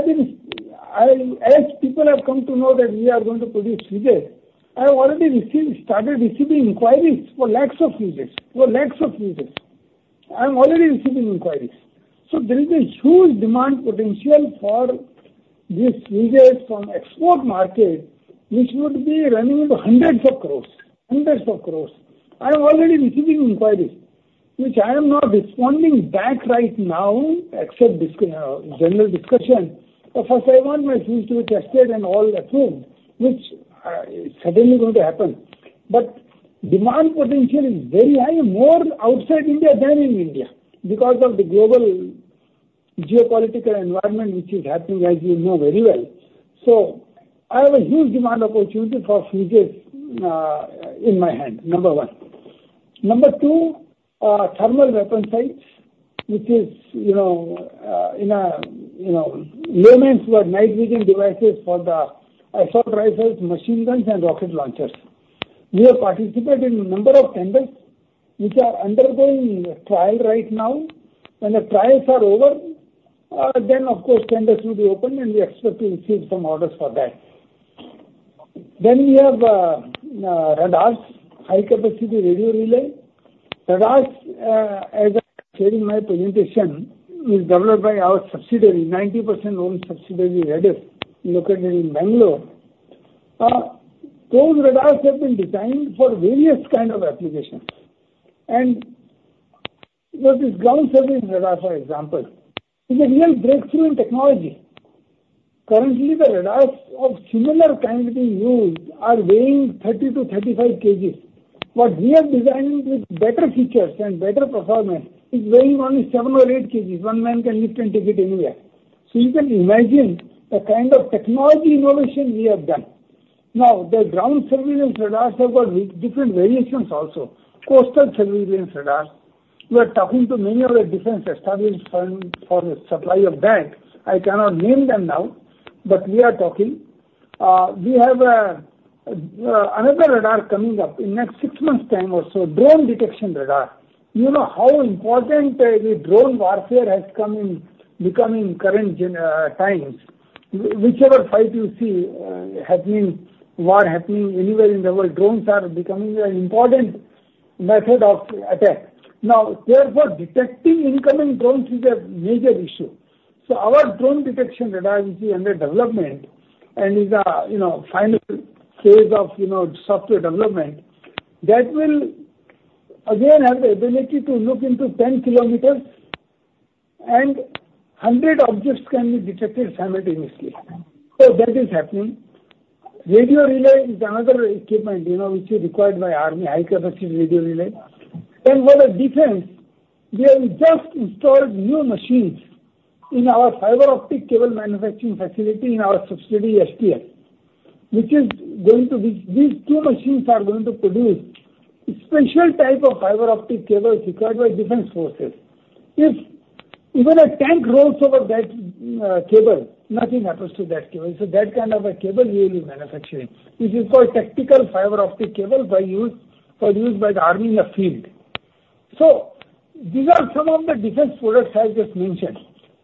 people have come to know that we are going to produce fuses, I have already started receiving inquiries for lakhs of fuses, for lakhs of fuses. I am already receiving inquiries. So there is a huge demand potential for these fuses from export market, which would be running into hundreds of crores, hundreds of crores. I am already receiving inquiries, which I am not responding back right now except general discussion. First, I want my fuse to be tested and all approved, which is certainly going to happen. But demand potential is very high, more outside India than in India because of the global geopolitical environment, which is happening, as you know very well. So I have a huge demand opportunity for fuses in my hand, number one. Number two, thermal weapon sights, which is in layman's word, night vision devices for the assault rifles, machine guns, and rocket launchers. We have participated in a number of tenders, which are undergoing trial right now. When the trials are over, then, of course, tenders will be opened, and we expect to receive some orders for that. Then we have radars, high-capacity radio relay. Radars, as I shared in my presentation, is developed by our subsidiary, 90% owned subsidiary Raddef, located in Bangalore. Those radars have been designed for various kinds of applications. And this ground surveillance radar, for example, is a real breakthrough in technology. Currently, the radars of similar kind being used are weighing 30-35 kgs. What we have designed with better features and better performance is weighing only seven or eight kgs. One man can lift and take it anywhere. So you can imagine the kind of technology innovation we have done. Now, the Ground Surveillance Radars have got different variations also, Coastal Surveillance Radars. We are talking to many other defense establishments for the supply of that. I cannot name them now, but we are talking. We have another radar coming up in the next six months' time or so, Drone Detection Radar. You know how important the drone warfare has become in current times. Whichever fight you see happening, war happening anywhere in the world, drones are becoming an important method of attack. Now, therefore, detecting incoming drones is a major issue. So our drone detection radar, which is under development and is a final phase of software development, that will, again, have the ability to look into 10 km, and 100 objects can be detected simultaneously. So that is happening. Radio relay is another equipment, which is required by army, high-capacity radio relay. Then for the defense, we have just installed new machines in our fiber optic cable manufacturing facility in our subsidiary HTL, which is going to be these two machines are going to produce a special type of fiber optic cable required by defense forces. If even a tank rolls over that cable, nothing happens to that cable. So that kind of a cable we will be manufacturing, which is called tactical fiber optic cable for use by the army in the field. So these are some of the defense products I just mentioned.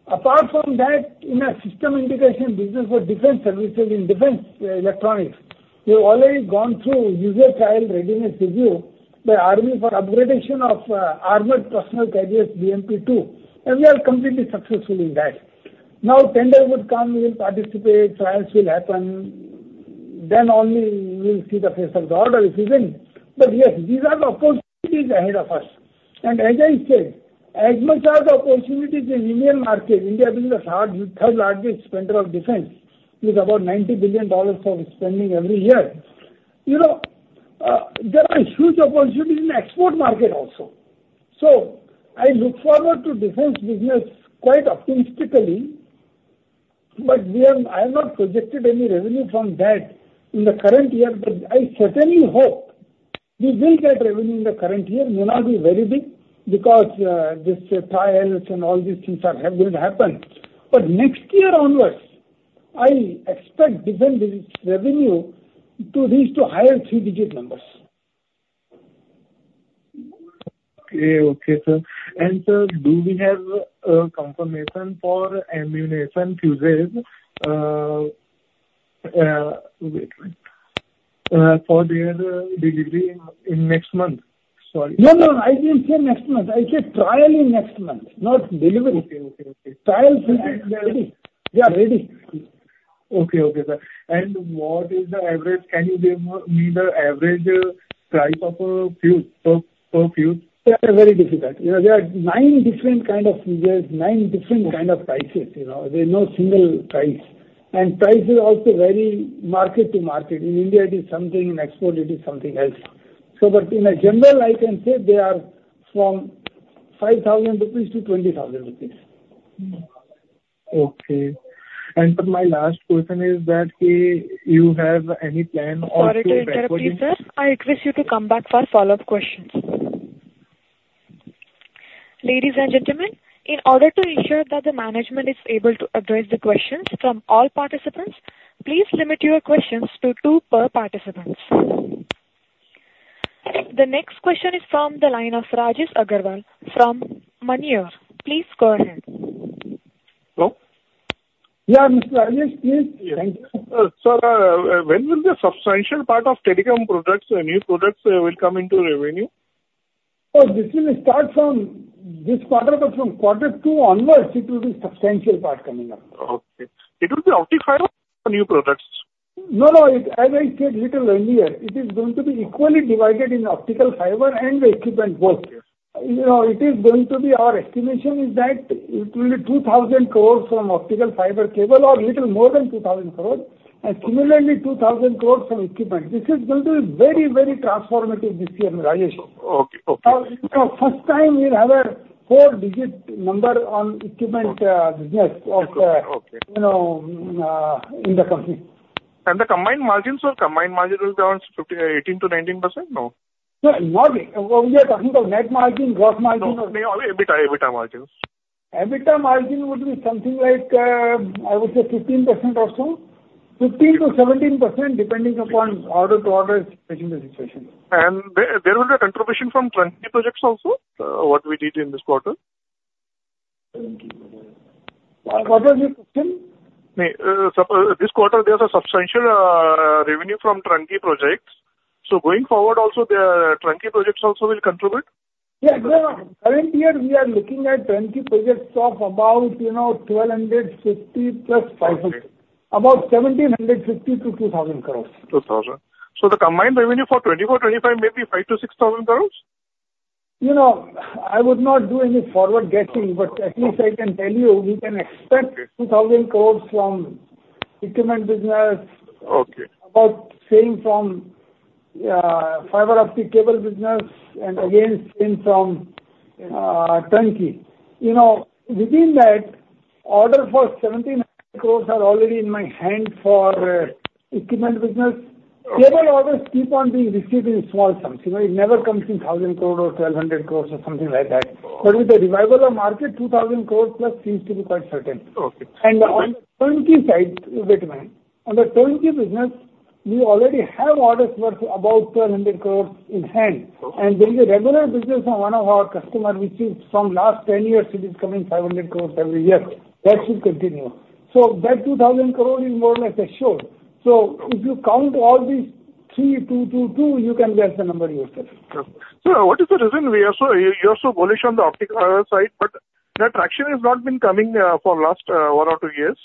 Apart from that, in a system integration business for defense services in defense electronics, we have already gone through user trial readiness review by the army for upgrade of armored personnel carriers BMP-2. We are completely successful in that. Now, tender would come. We will participate. Trials will happen. Then only we will see the size of the order, if we win. But yes, these are the opportunities ahead of us. And as I said, as much as the opportunities in Indian market, India being the third largest defense spender, with about $90 billion of spending every year, there are huge opportunities in the export market also. So I look forward to defense business quite optimistically. But I have not projected any revenue from that in the current year. But I certainly hope we will get revenue in the current year. May not be very big because these trials and all these things will happen. But next year onwards, I expect defense revenue to reach to higher three-digit numbers. Okay, okay, sir. Sir, do we have confirmation for ammunition fuses for their delivery in next month? Sorry. No, no, no. I didn't say next month. I said trial in next month, not delivery. Trial fuses are ready. They are ready. Okay, okay, sir. And what is the average? Can you give me the average price of a fuse per fuse? They are very difficult. There are nine different kinds of fuses, nine different kinds of prices. There is no single price. Price is also very market to market. In India, it is something. In export, it is something else. But in general, I can say they are from 5,000-20,000 rupees. Okay. My last question is that you have any plan or tools? For iteratively, sir, I request you to come back for follow-up questions. Ladies and gentlemen, in order to ensure that the management is able to address the questions from all participants, please limit your questions to two per participant. The next question is from the line of Rajesh Agarwal from Moneyore. Please go ahead. Hello? Yeah, Mr. Rajesh, please. Thank you. Sir, when will the substantial part of telecom products, new products, come into revenue? This will start from this quarter, but from quarter two onwards, it will be substantial part coming up. Okay. It will be optical fiber or new products? No, no. As I said a little earlier, it is going to be equally divided in optical fiber and the equipment both. It is going to be our estimation is that it will be 2,000 crore from optical fiber cable or a little more than 2,000 crore, and similarly, 2,000 crore from equipment. This is going to be very, very transformative this year, Rajesh. Now, first time, we have a four-digit number on equipment business in the company. The combined margins, or combined margin will be around 18%-19%? No? Sir, not. We are talking of net margin, gross margin, or? No, EBITDA, EBITDA margins. EBITDA margin would be something like, I would say, 15% or so, 15%-17% depending upon order-to-order situation. There will be a contribution from Turnkey projects also, what we did in this quarter? Turnkey projects. What was your question? This quarter, there's a substantial revenue from turnkey projects. So going forward also, turnkey projects also will contribute? Yeah, current year, we are looking at turnkey projects of about 1,250 crores + 500 crores, about 1,750 crores-2,000 crores. 2,000. So the combined revenue for 2024/25 may be 5,000-6,000 crores? I would not do any forward guessing, but at least I can tell you we can expect 2,000 crores from equipment business, about same from fiber optic cable business, and again, same from Turnkey. Within that, order for 1,700 crores are already in my hand for equipment business. Cable orders keep on being received in small sums. It never comes in 1,000 crores or 1,200 crores or something like that. But with the revival of market, 2,000 crores+ seems to be quite certain. And on the Turnkey side, wait a minute. On the Turnkey business, we already have orders worth about 1,200 crores in hand. And there is a regular business from one of our customers, which is from last 10 years, it is coming 500 crores every year. That should continue. So that 2,000 crore is more or less assured. So if you count all these three, two, two, two, you can guess the number yourself. Sir, what is the reason you are so bullish on the optics side, but the traction has not been coming for the last one or two years?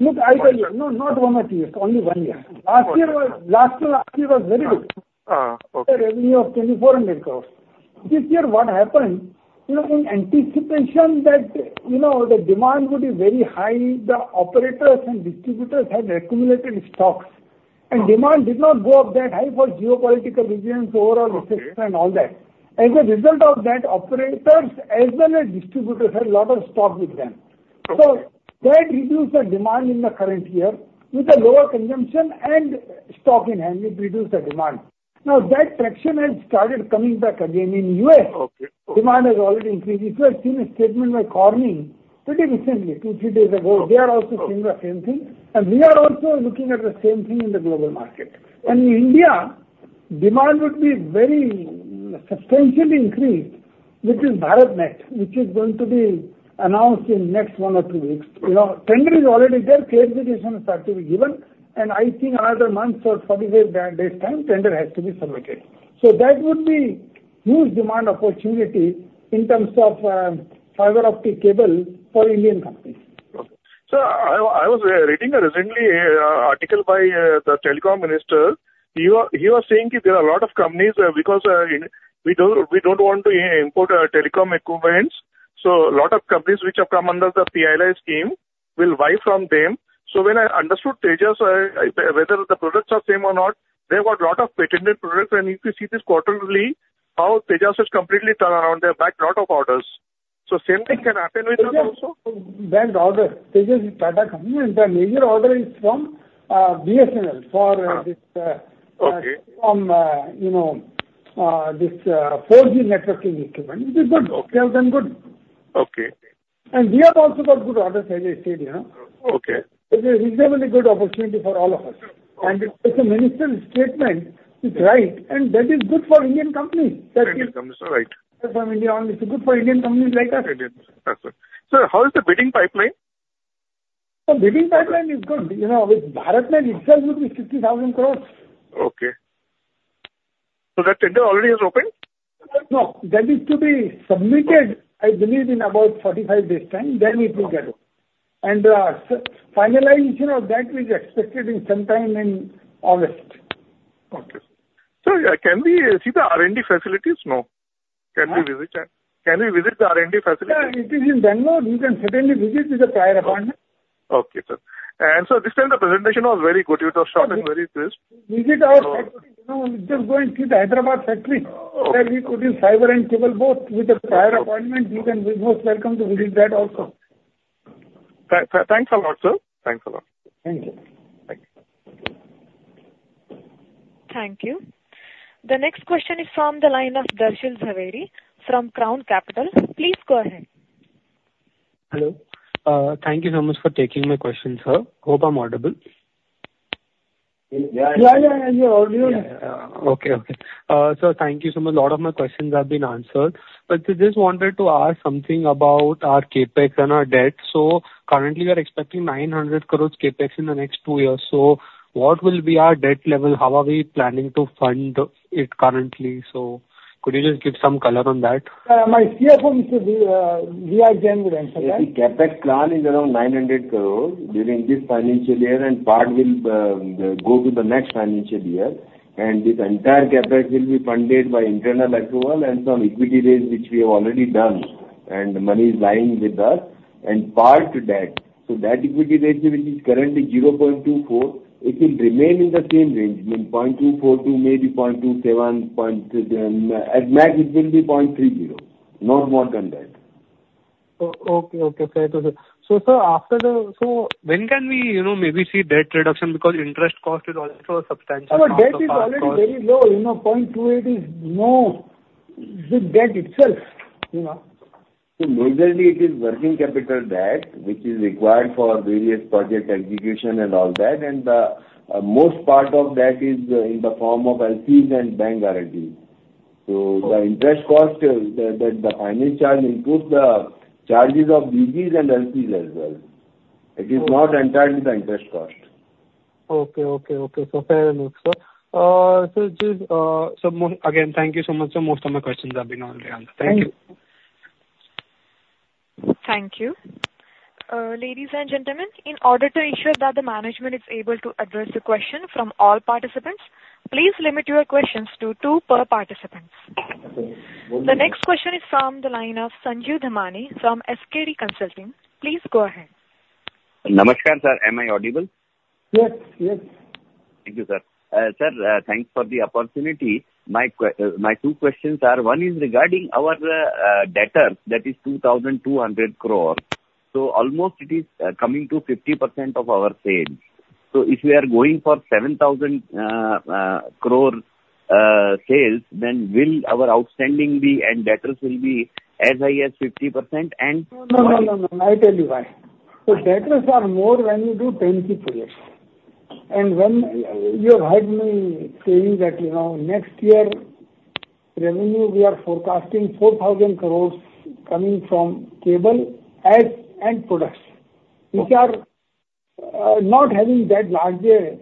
Look, I tell you, no, not one or two years. Only one year. Last year, last to last year was very good, a revenue of 2,400 crores. This year, what happened, in anticipation that the demand would be very high, the operators and distributors had accumulated stocks. Demand did not go up that high for geopolitical reasons, overall effects, and all that. As a result of that, operators as well as distributors had a lot of stock with them. So that reduced the demand in the current year with a lower consumption and stock in hand. It reduced the demand. Now, that traction has started coming back again in the U.S. Demand has already increased. You have seen a statement by Corning pretty recently, two, three days ago. They are also seeing the same thing. And we are also looking at the same thing in the global market. In India, demand would be very substantially increased, which is BharatNet, which is going to be announced in the next one or two weeks. Tender is already there. Clarification has started to be given. And I think another month or 45 days' time, tender has to be submitted. So that would be huge demand opportunity in terms of fiber optic cable for Indian companies. Okay. So I was reading recently an article by the Telecom minister. He was saying that there are a lot of companies because we don't want to import telecom equipment. So a lot of companies which have come under the PLI scheme will buy from them. So when I understood Tejas, whether the products are same or not, they have got a lot of patented products. And if you see this quarterly, how Tejas has completely turned around, they have bagged a lot of orders. So same thing can happen with us also? Yeah. Back orders. Tejas is a Tata company. And their major order is from BSNL for this from this 4G networking equipment, which is better, better than good. And we have also got good orders, as I said. It's a reasonably good opportunity for all of us. And the minister's statement is right. And that is good for Indian companies. Indian companies are right. They are from India. It's good for Indian companies like us. Indian. Yes, sir. Sir, how is the bidding pipeline? The bidding pipeline is good. With BharatNet itself, it would be INR 50,000 crore. Okay. So that tender already has opened? No. That is to be submitted, I believe, in about 45 days' time. Then it will get open. Finalization of that is expected in some time in August. Okay. Sir, can we see the R&D facilities? No. Can we visit? Can we visit the R&D facilities? It is in Bangalore. You can certainly visit with a prior appointment. Okay, sir. This time, the presentation was very good. You were so short and very crisp. Visit our factory. Just go and see the Hyderabad factory where we put in fiber and cable both with a prior appointment. You can be most welcome to visit that also. Thanks a lot, sir. Thanks a lot. Thank you. Thank you. Thank you. The next question is from the line of Darshil Zaveri from Crown Capital. Please go ahead. Hello. Thank you so much for taking my questions, sir. Hope I'm audible. Yeah, yeah, yeah. You're audible. Okay, okay. Sir, thank you so much. A lot of my questions have been answered. But I just wanted to ask something about our CapEx and our debt. So currently, we are expecting 900 crore CapEx in the next two years. So what will be our debt level? How are we planning to fund it currently? So could you just give some color on that? My CFO, Mr. V.R. Jain, will answer that. The CapEx plan is around 900 crore during this financial year, and part will go to the next financial year. This entire CapEx will be funded by internal approval and some equity raise which we have already done. The money is lying with us. Part debt. So that equity ratio, which is currently 0.24, it will remain in the same range. I mean, 0.24 may be 0.27. At max, it will be 0.30, not more than that. Okay, okay. Fair to say. So, sir, after the so when can we maybe see debt reduction? Because interest cost is also substantial. Our debt is already very low. 0.28 is no big debt itself. So majorly, it is working capital debt, which is required for various project execution and all that. And the most part of that is in the form of LCs and bank guarantees. So the interest cost, the finance charge includes the charges of BGs and LCs as well. It is not entirely the interest cost. Okay, okay, okay. So fair enough, sir. Sir, again, thank you so much. So most of my questions have been already answered. Thank you. Thank you. Ladies and gentlemen, in order to ensure that the management is able to address the question from all participants, please limit your questions to two per participant. The next question is from the line of Sanjeev Damani from SKD Consulting. Please go ahead. Namaskar, sir. Am I audible? Yes, yes. Thank you, sir. Sir, thanks for the opportunity. My two questions are: one is regarding our debtors. That is 2,200 crores. So almost it is coming to 50% of our sales. So if we are going for 7,000 crores sales, then will our outstanding be and debtors will be as high as 50%? And. No, no, no, no, no. I tell you why. So debtors are more when you do turnkey projects. And when you have heard me saying that next year, revenue, we are forecasting 4,000 crore coming from cable and products, which are not having that larger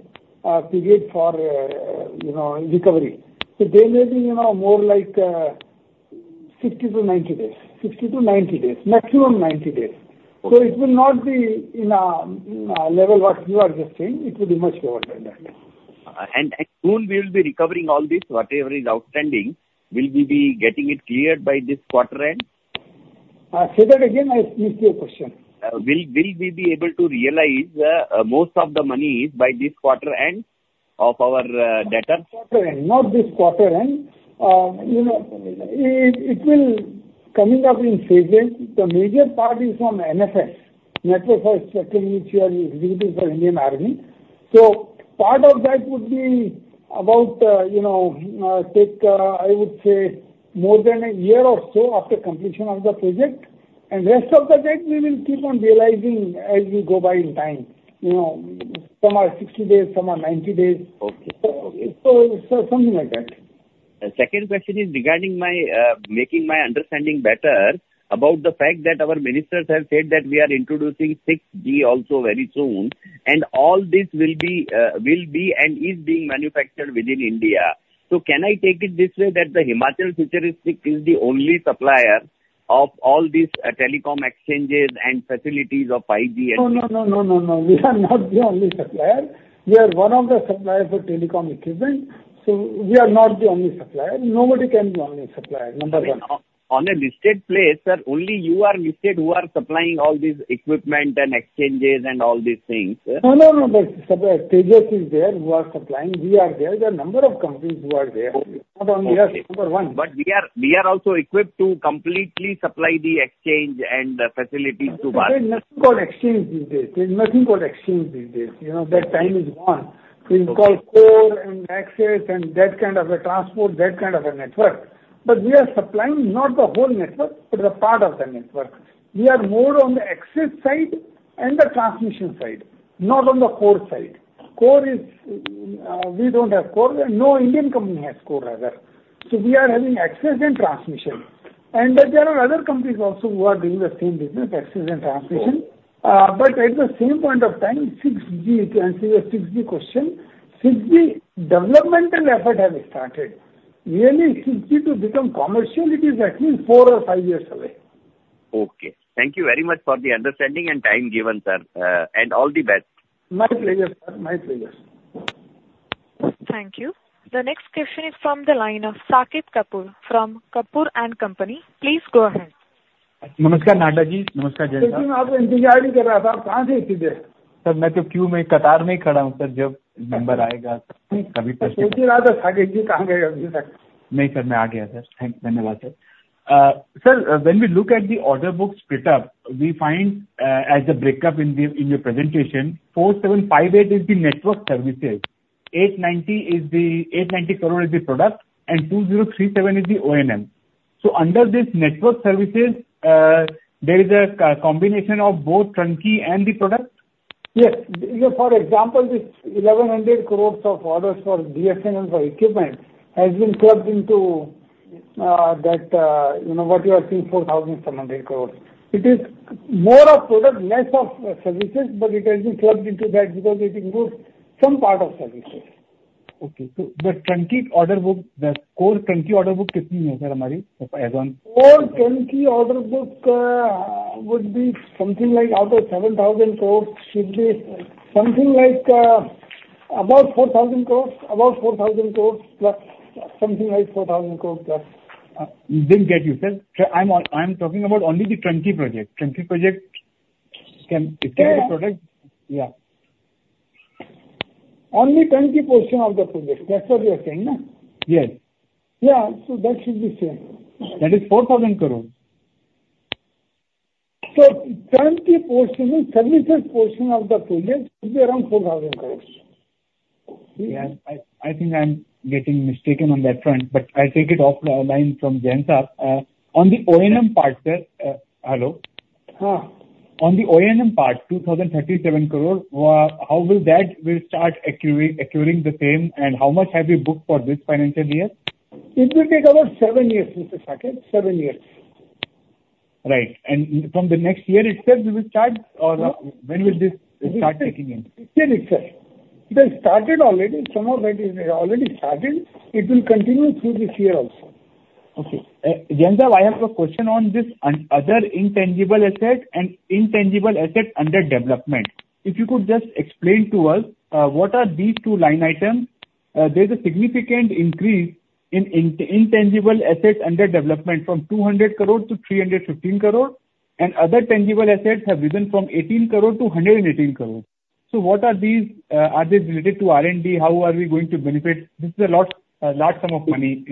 period for recovery. So they may be more like 60-90 days, 60-90 days, maximum 90 days. So it will not be in a level what you are just saying. It will be much lower than that. Soon we will be recovering all this. Whatever is outstanding, will we be getting it cleared by this quarter end? Say that again. I missed your question. Will we be able to realize most of the money by this quarter end of our debtors? Quarter end, not this quarter end. It will come up in phases. The major part is from NFS, Network for Spectrum, which we are executing for Indian Army. So part of that would be about take, I would say, more than a year or so after completion of the project. And rest of the debt, we will keep on realizing as we go by in time, some are 60 days, some are 90 days. So it's something like that. Second question is regarding making my understanding better about the fact that our ministers have said that we are introducing 6G also very soon. All this will be and is being manufactured within India. Can I take it this way that HFCL is the only supplier of all these telecom exchanges and facilities of 5G and? No, no, no, no, no, no. We are not the only supplier. We are one of the suppliers for telecom equipment. So we are not the only supplier. Nobody can be the only supplier, number one. On a listed place, sir, only you are listed who are supplying all this equipment and exchanges and all these things. No, no, no. Tejas is there who are supplying. We are there. There are a number of companies who are there. Not only us, number one. We are also equipped to completely supply the exchange and facilities to Bharat. There is nothing called exchange these days. There is nothing called exchange these days. That time is gone. We call core and access and that kind of a transport, that kind of a network. But we are supplying not the whole network, but a part of the network. We are more on the access side and the transmission side, not on the core side. Core is we don't have core. No Indian company has core, rather. So we are having access and transmission. And there are other companies also who are doing the same business, access and transmission. But at the same point of time, 6G, you can see the 6G question. 6G developmental effort has started. Really, 6G to become commercial, it is at least four or five years away. Okay. Thank you very much for the understanding and time given, sir. All the best. My pleasure, sir. My pleasure. Thank you. The next question is from the line of Saket Kapoor from Kapoor and Company. Please go ahead. Namaskar, Nahata ji. Namaskar, Jain sahab. Sir ji, मैं आपका इंतजार ही कर रहा था। आप कहां से इतनी देर? सर, मैं तो क्यू में कतार में ही खड़ा हूं, सर, जब नंबर आएगा। कभी प्रश्न नहीं। सोच ही रहा था, सागर जी, कहां गए अभी तक? नहीं, सर, मैं आ गया, सर. थैंक्स. धन्यवाद, sir. Sir, when we look at the order book split up, we find as a breakup in your presentation, 4,758 crore is the network services, 890 crore is the product, and 2,037 crore is the O&M. So under this network services, there is a combination of both turnkey and the product? Yes. For example, this 1,100 crores of orders for BSNL for equipment has been clubbed into that what you are seeing, 4,700 crores. It is more of product, less of services, but it has been clubbed into that because it includes some part of services. Okay. So the Turnkey order book, the core Turnkey order book कितनी है, sir, हमारी? Core turnkey order book would be something like out of 7,000 crore should be something like about 4,000 crore, about 4,000 crore plus, something like 4,000 crore plus. Didn't get you, sir. I'm talking about only the Turnkey project. Turnkey project, is there a product? Yeah. Only turnkey portion of the project. That's what you are saying, no? Yes. Yeah. So that should be same. That is 4,000 crore. Turnkey portion, services portion of the project should be around 4,000 crore. Yeah. I think I'm getting mistaken on that front, but I take it offline from Jain said. On the O&M part, sir. Hello. Huh? On the O&M part, 2,037 crore, how will that start accruing the same, and how much have you booked for this financial year? It will take about seven years, Mr. Saqib. Seven years. Right. And from the next year itself, it will start, or when will this start taking in? This year itself. It has started already. Some of that is already started. It will continue through this year also. Okay. Jain said, I have a question on this other intangible asset and intangible asset under development. If you could just explain to us what are these two line items? There's a significant increase in intangible assets under development from INR 200 crore to INR 315 crore, and other tangible assets have risen from INR 18 crore to INR 118 crore. So what are these? Are they related to R&D? How are we going to benefit? This is a large sum of money.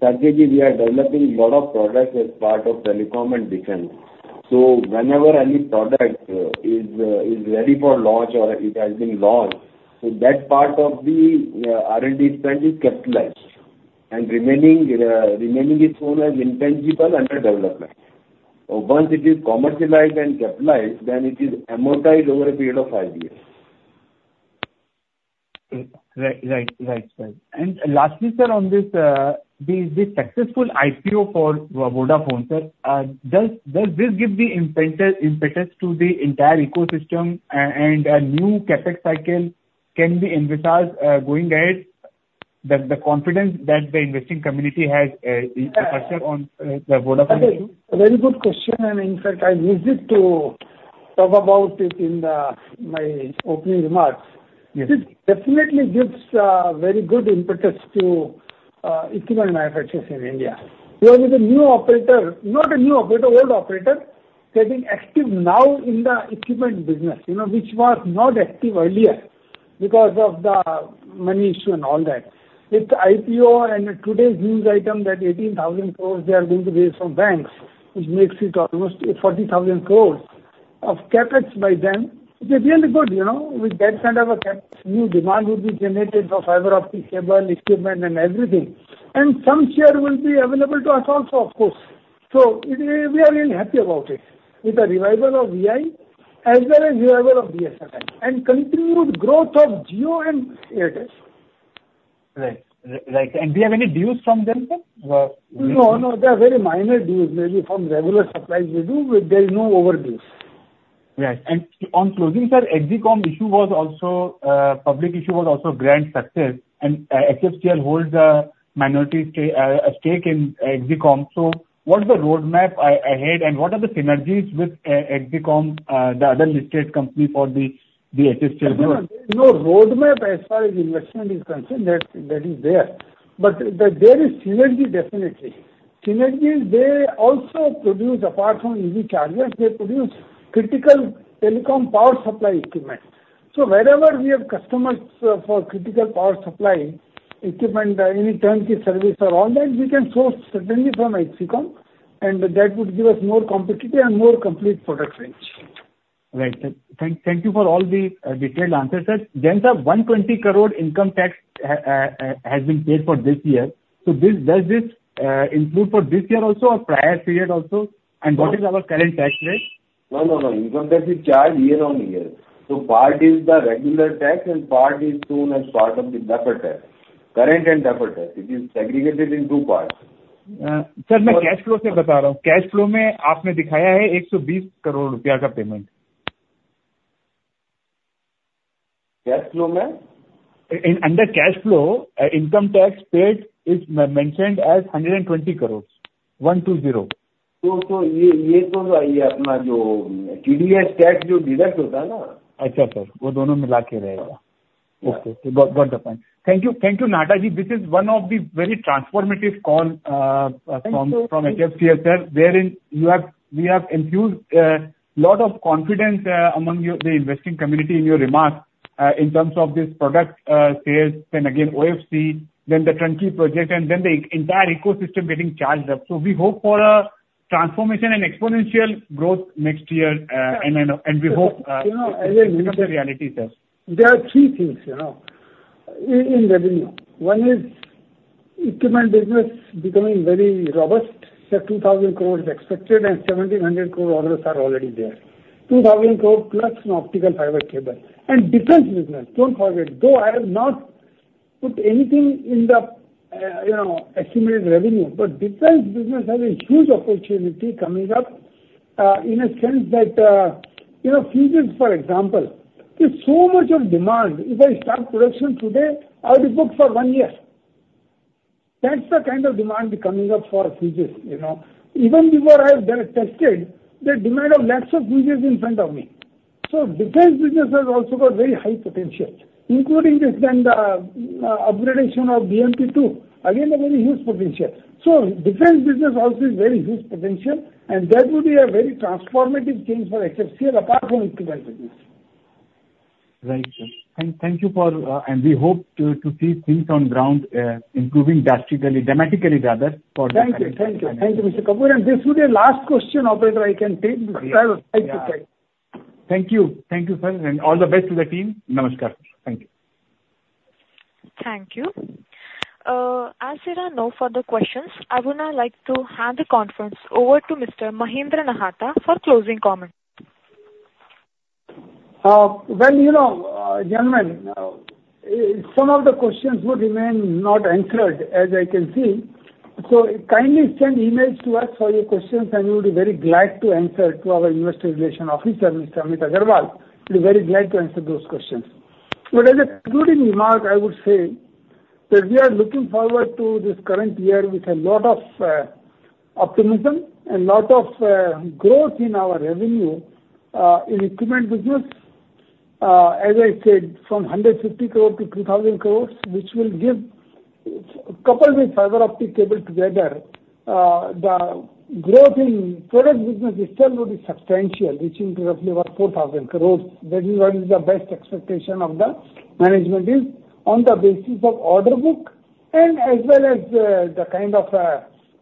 Darshil ji, we are developing a lot of products as part of telecom and defense. So whenever any product is ready for launch or it has been launched, so that part of the R&D spend is capitalized. And remaining is known as intangible under development. Once it is commercialized and capitalized, then it is amortized over a period of five years. Right, right, right, right. And lastly, sir, on this, the successful IPO for Vodafone, sir, does this give the impetus to the entire ecosystem, and a new CapEx cycle can be envisaged going ahead? The confidence that the investing community has on the Vodafone issue? Very good question. And in fact, I used it to talk about it in my opening remarks. It definitely gives very good impetus to equipment manufacturers in India. You are with a new operator, not a new operator, old operator, getting active now in the equipment business, which was not active earlier because of the money issue and all that. With IPO and today's news item that 18,000 crore they are going to raise from banks, which makes it almost 40,000 crore of CapEx by then, which is really good with that kind of a CapEx. New demand would be generated for fiber optics, cable, equipment, and everything. And some share will be available to us also, of course. So we are really happy about it with the revival of VI as well as revival of BSNL and continued growth of Jio and Airtel. Right, right. And do you have any dues from them, sir? No, no. They are very minor dues maybe from regular supplies we do. There is no overdue. Right. And on closing, sir, Exicom issue was also a public issue, was also a grand success. And HFCL holds a minority stake in Exicom. So what's the roadmap ahead, and what are the synergies with Exicom, the other listed company for the HFCL growth? There is no roadmap as far as investment is concerned. That is there. But there is synergy, definitely. Synergies, they also produce, apart from EV chargers, they produce critical telecom power supply equipment. So wherever we have customers for critical power supply equipment, any Turnkey service or all that, we can source certainly from Exicom. And that would give us more competitive and more complete product range. Right, sir. Thank you for all the detailed answers, sir. Jain said, 120 crore income tax has been paid for this year. So does this include for this year also or prior period also? And what is our current tax rate? No, no, no. Income tax is charged year on year. So part is the regular tax, and part is such as part of the deferred tax, current and deferred tax. It is segregated in two parts. Sir, मैं cash flow से बता रहा हूं. Cash flow में आपने दिखाया है 120 crore का payment. Cash flow mein? Under cash flow, income tax paid is mentioned as INR 120 crore, 120. तो ये अपना जो टीडीएस टैक्स जो डिडक्ट होता है ना? अच्छा, सर. वो दोनों मिला के रहेगा. Okay. Got the point. Thank you. Thank you, Nahata ji. This is one of the very transformative calls from HFCL, sir. You have infused a lot of confidence among the investing community in your remarks in terms of this product sales, then again, OFC, then the Turnkey project, and then the entire ecosystem getting charged up. So we hope for a transformation and exponential growth next year. And we hope this becomes a reality, sir. There are three things in revenue. One is equipment business becoming very robust. So, 2,000 crores expected, and 1,700 crore orders are already there, 2,000 crore plus an optical fiber cable. And defense business, don't forget, though I have not put anything in the estimated revenue, but defense business has a huge opportunity coming up in a sense that fuses, for example, there's so much of demand. If I start production today, I would be booked for one year. That's the kind of demand coming up for fuses. Even before I have tested, there are demand of lots of fuses in front of me. So defense business has also got very high potential, including this then the upgradation of BMP-2. Again, a very huge potential. So defense business also is very huge potential. And that would be a very transformative change for HFCL apart from equipment business. Right, sir. Thank you for and we hope to see things on ground improving drastically, dramatically rather, for the financial year. Thank you. Thank you. Thank you, Mr. Kapoor. And this would be the last question, operator, I can take because I have a flight to take. Thank you. Thank you, sir. All the best to the team. Namaskar. Thank you. Thank you. As there are no further questions, I would now like to hand the conference over to Mr. Mahendra Nahata for closing comments. Well, gentlemen, some of the questions would remain not answered, as I can see. So kindly send emails to us for your questions, and we would be very glad to answer to our investor relation officer, Mr. Amit Agarwal. We'd be very glad to answer those questions. But as a concluding remark, I would say that we are looking forward to this current year with a lot of optimism and a lot of growth in our revenue in equipment business. As I said, from 150 crore to 2,000 crores, which will give, coupled with fiber optic cable together, the growth in product business itself would be substantial, reaching roughly about 4,000 crores. That is what is the best expectation of the management is on the basis of order book and as well as the kind of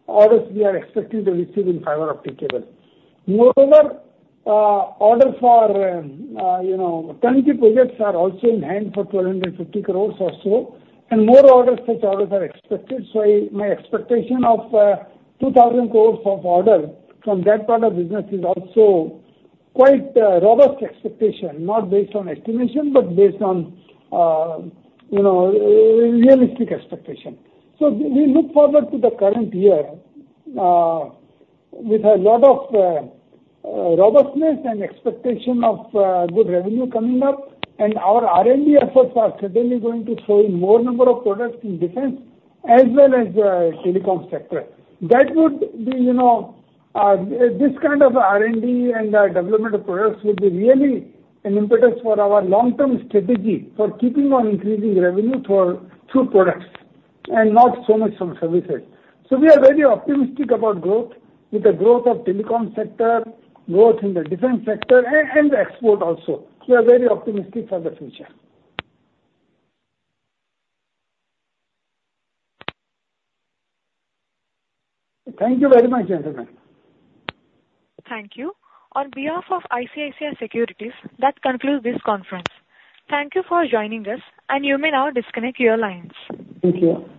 orders we are expecting to receive in fiber optic cable. Moreover, orders for turnkey projects are also in hand for 1,250 crore or so, and more such orders are expected. So my expectation of 2,000 crore of order from that part of business is also quite robust expectation, not based on estimation, but based on realistic expectation. So we look forward to the current year with a lot of robustness and expectation of good revenue coming up. And our R&D efforts are certainly going to throw in more number of products in defense as well as telecom sector. That would be this kind of R&D and development of products would be really an impetus for our long-term strategy for keeping on increasing revenue through products and not so much from services. So we are very optimistic about growth with the growth of telecom sector, growth in the defense sector, and export also. We are very optimistic for the future. Thank you very much, gentlemen. Thank you. On behalf of ICICI Securities, that concludes this conference. Thank you for joining us, and you may now disconnect your lines. Thank you.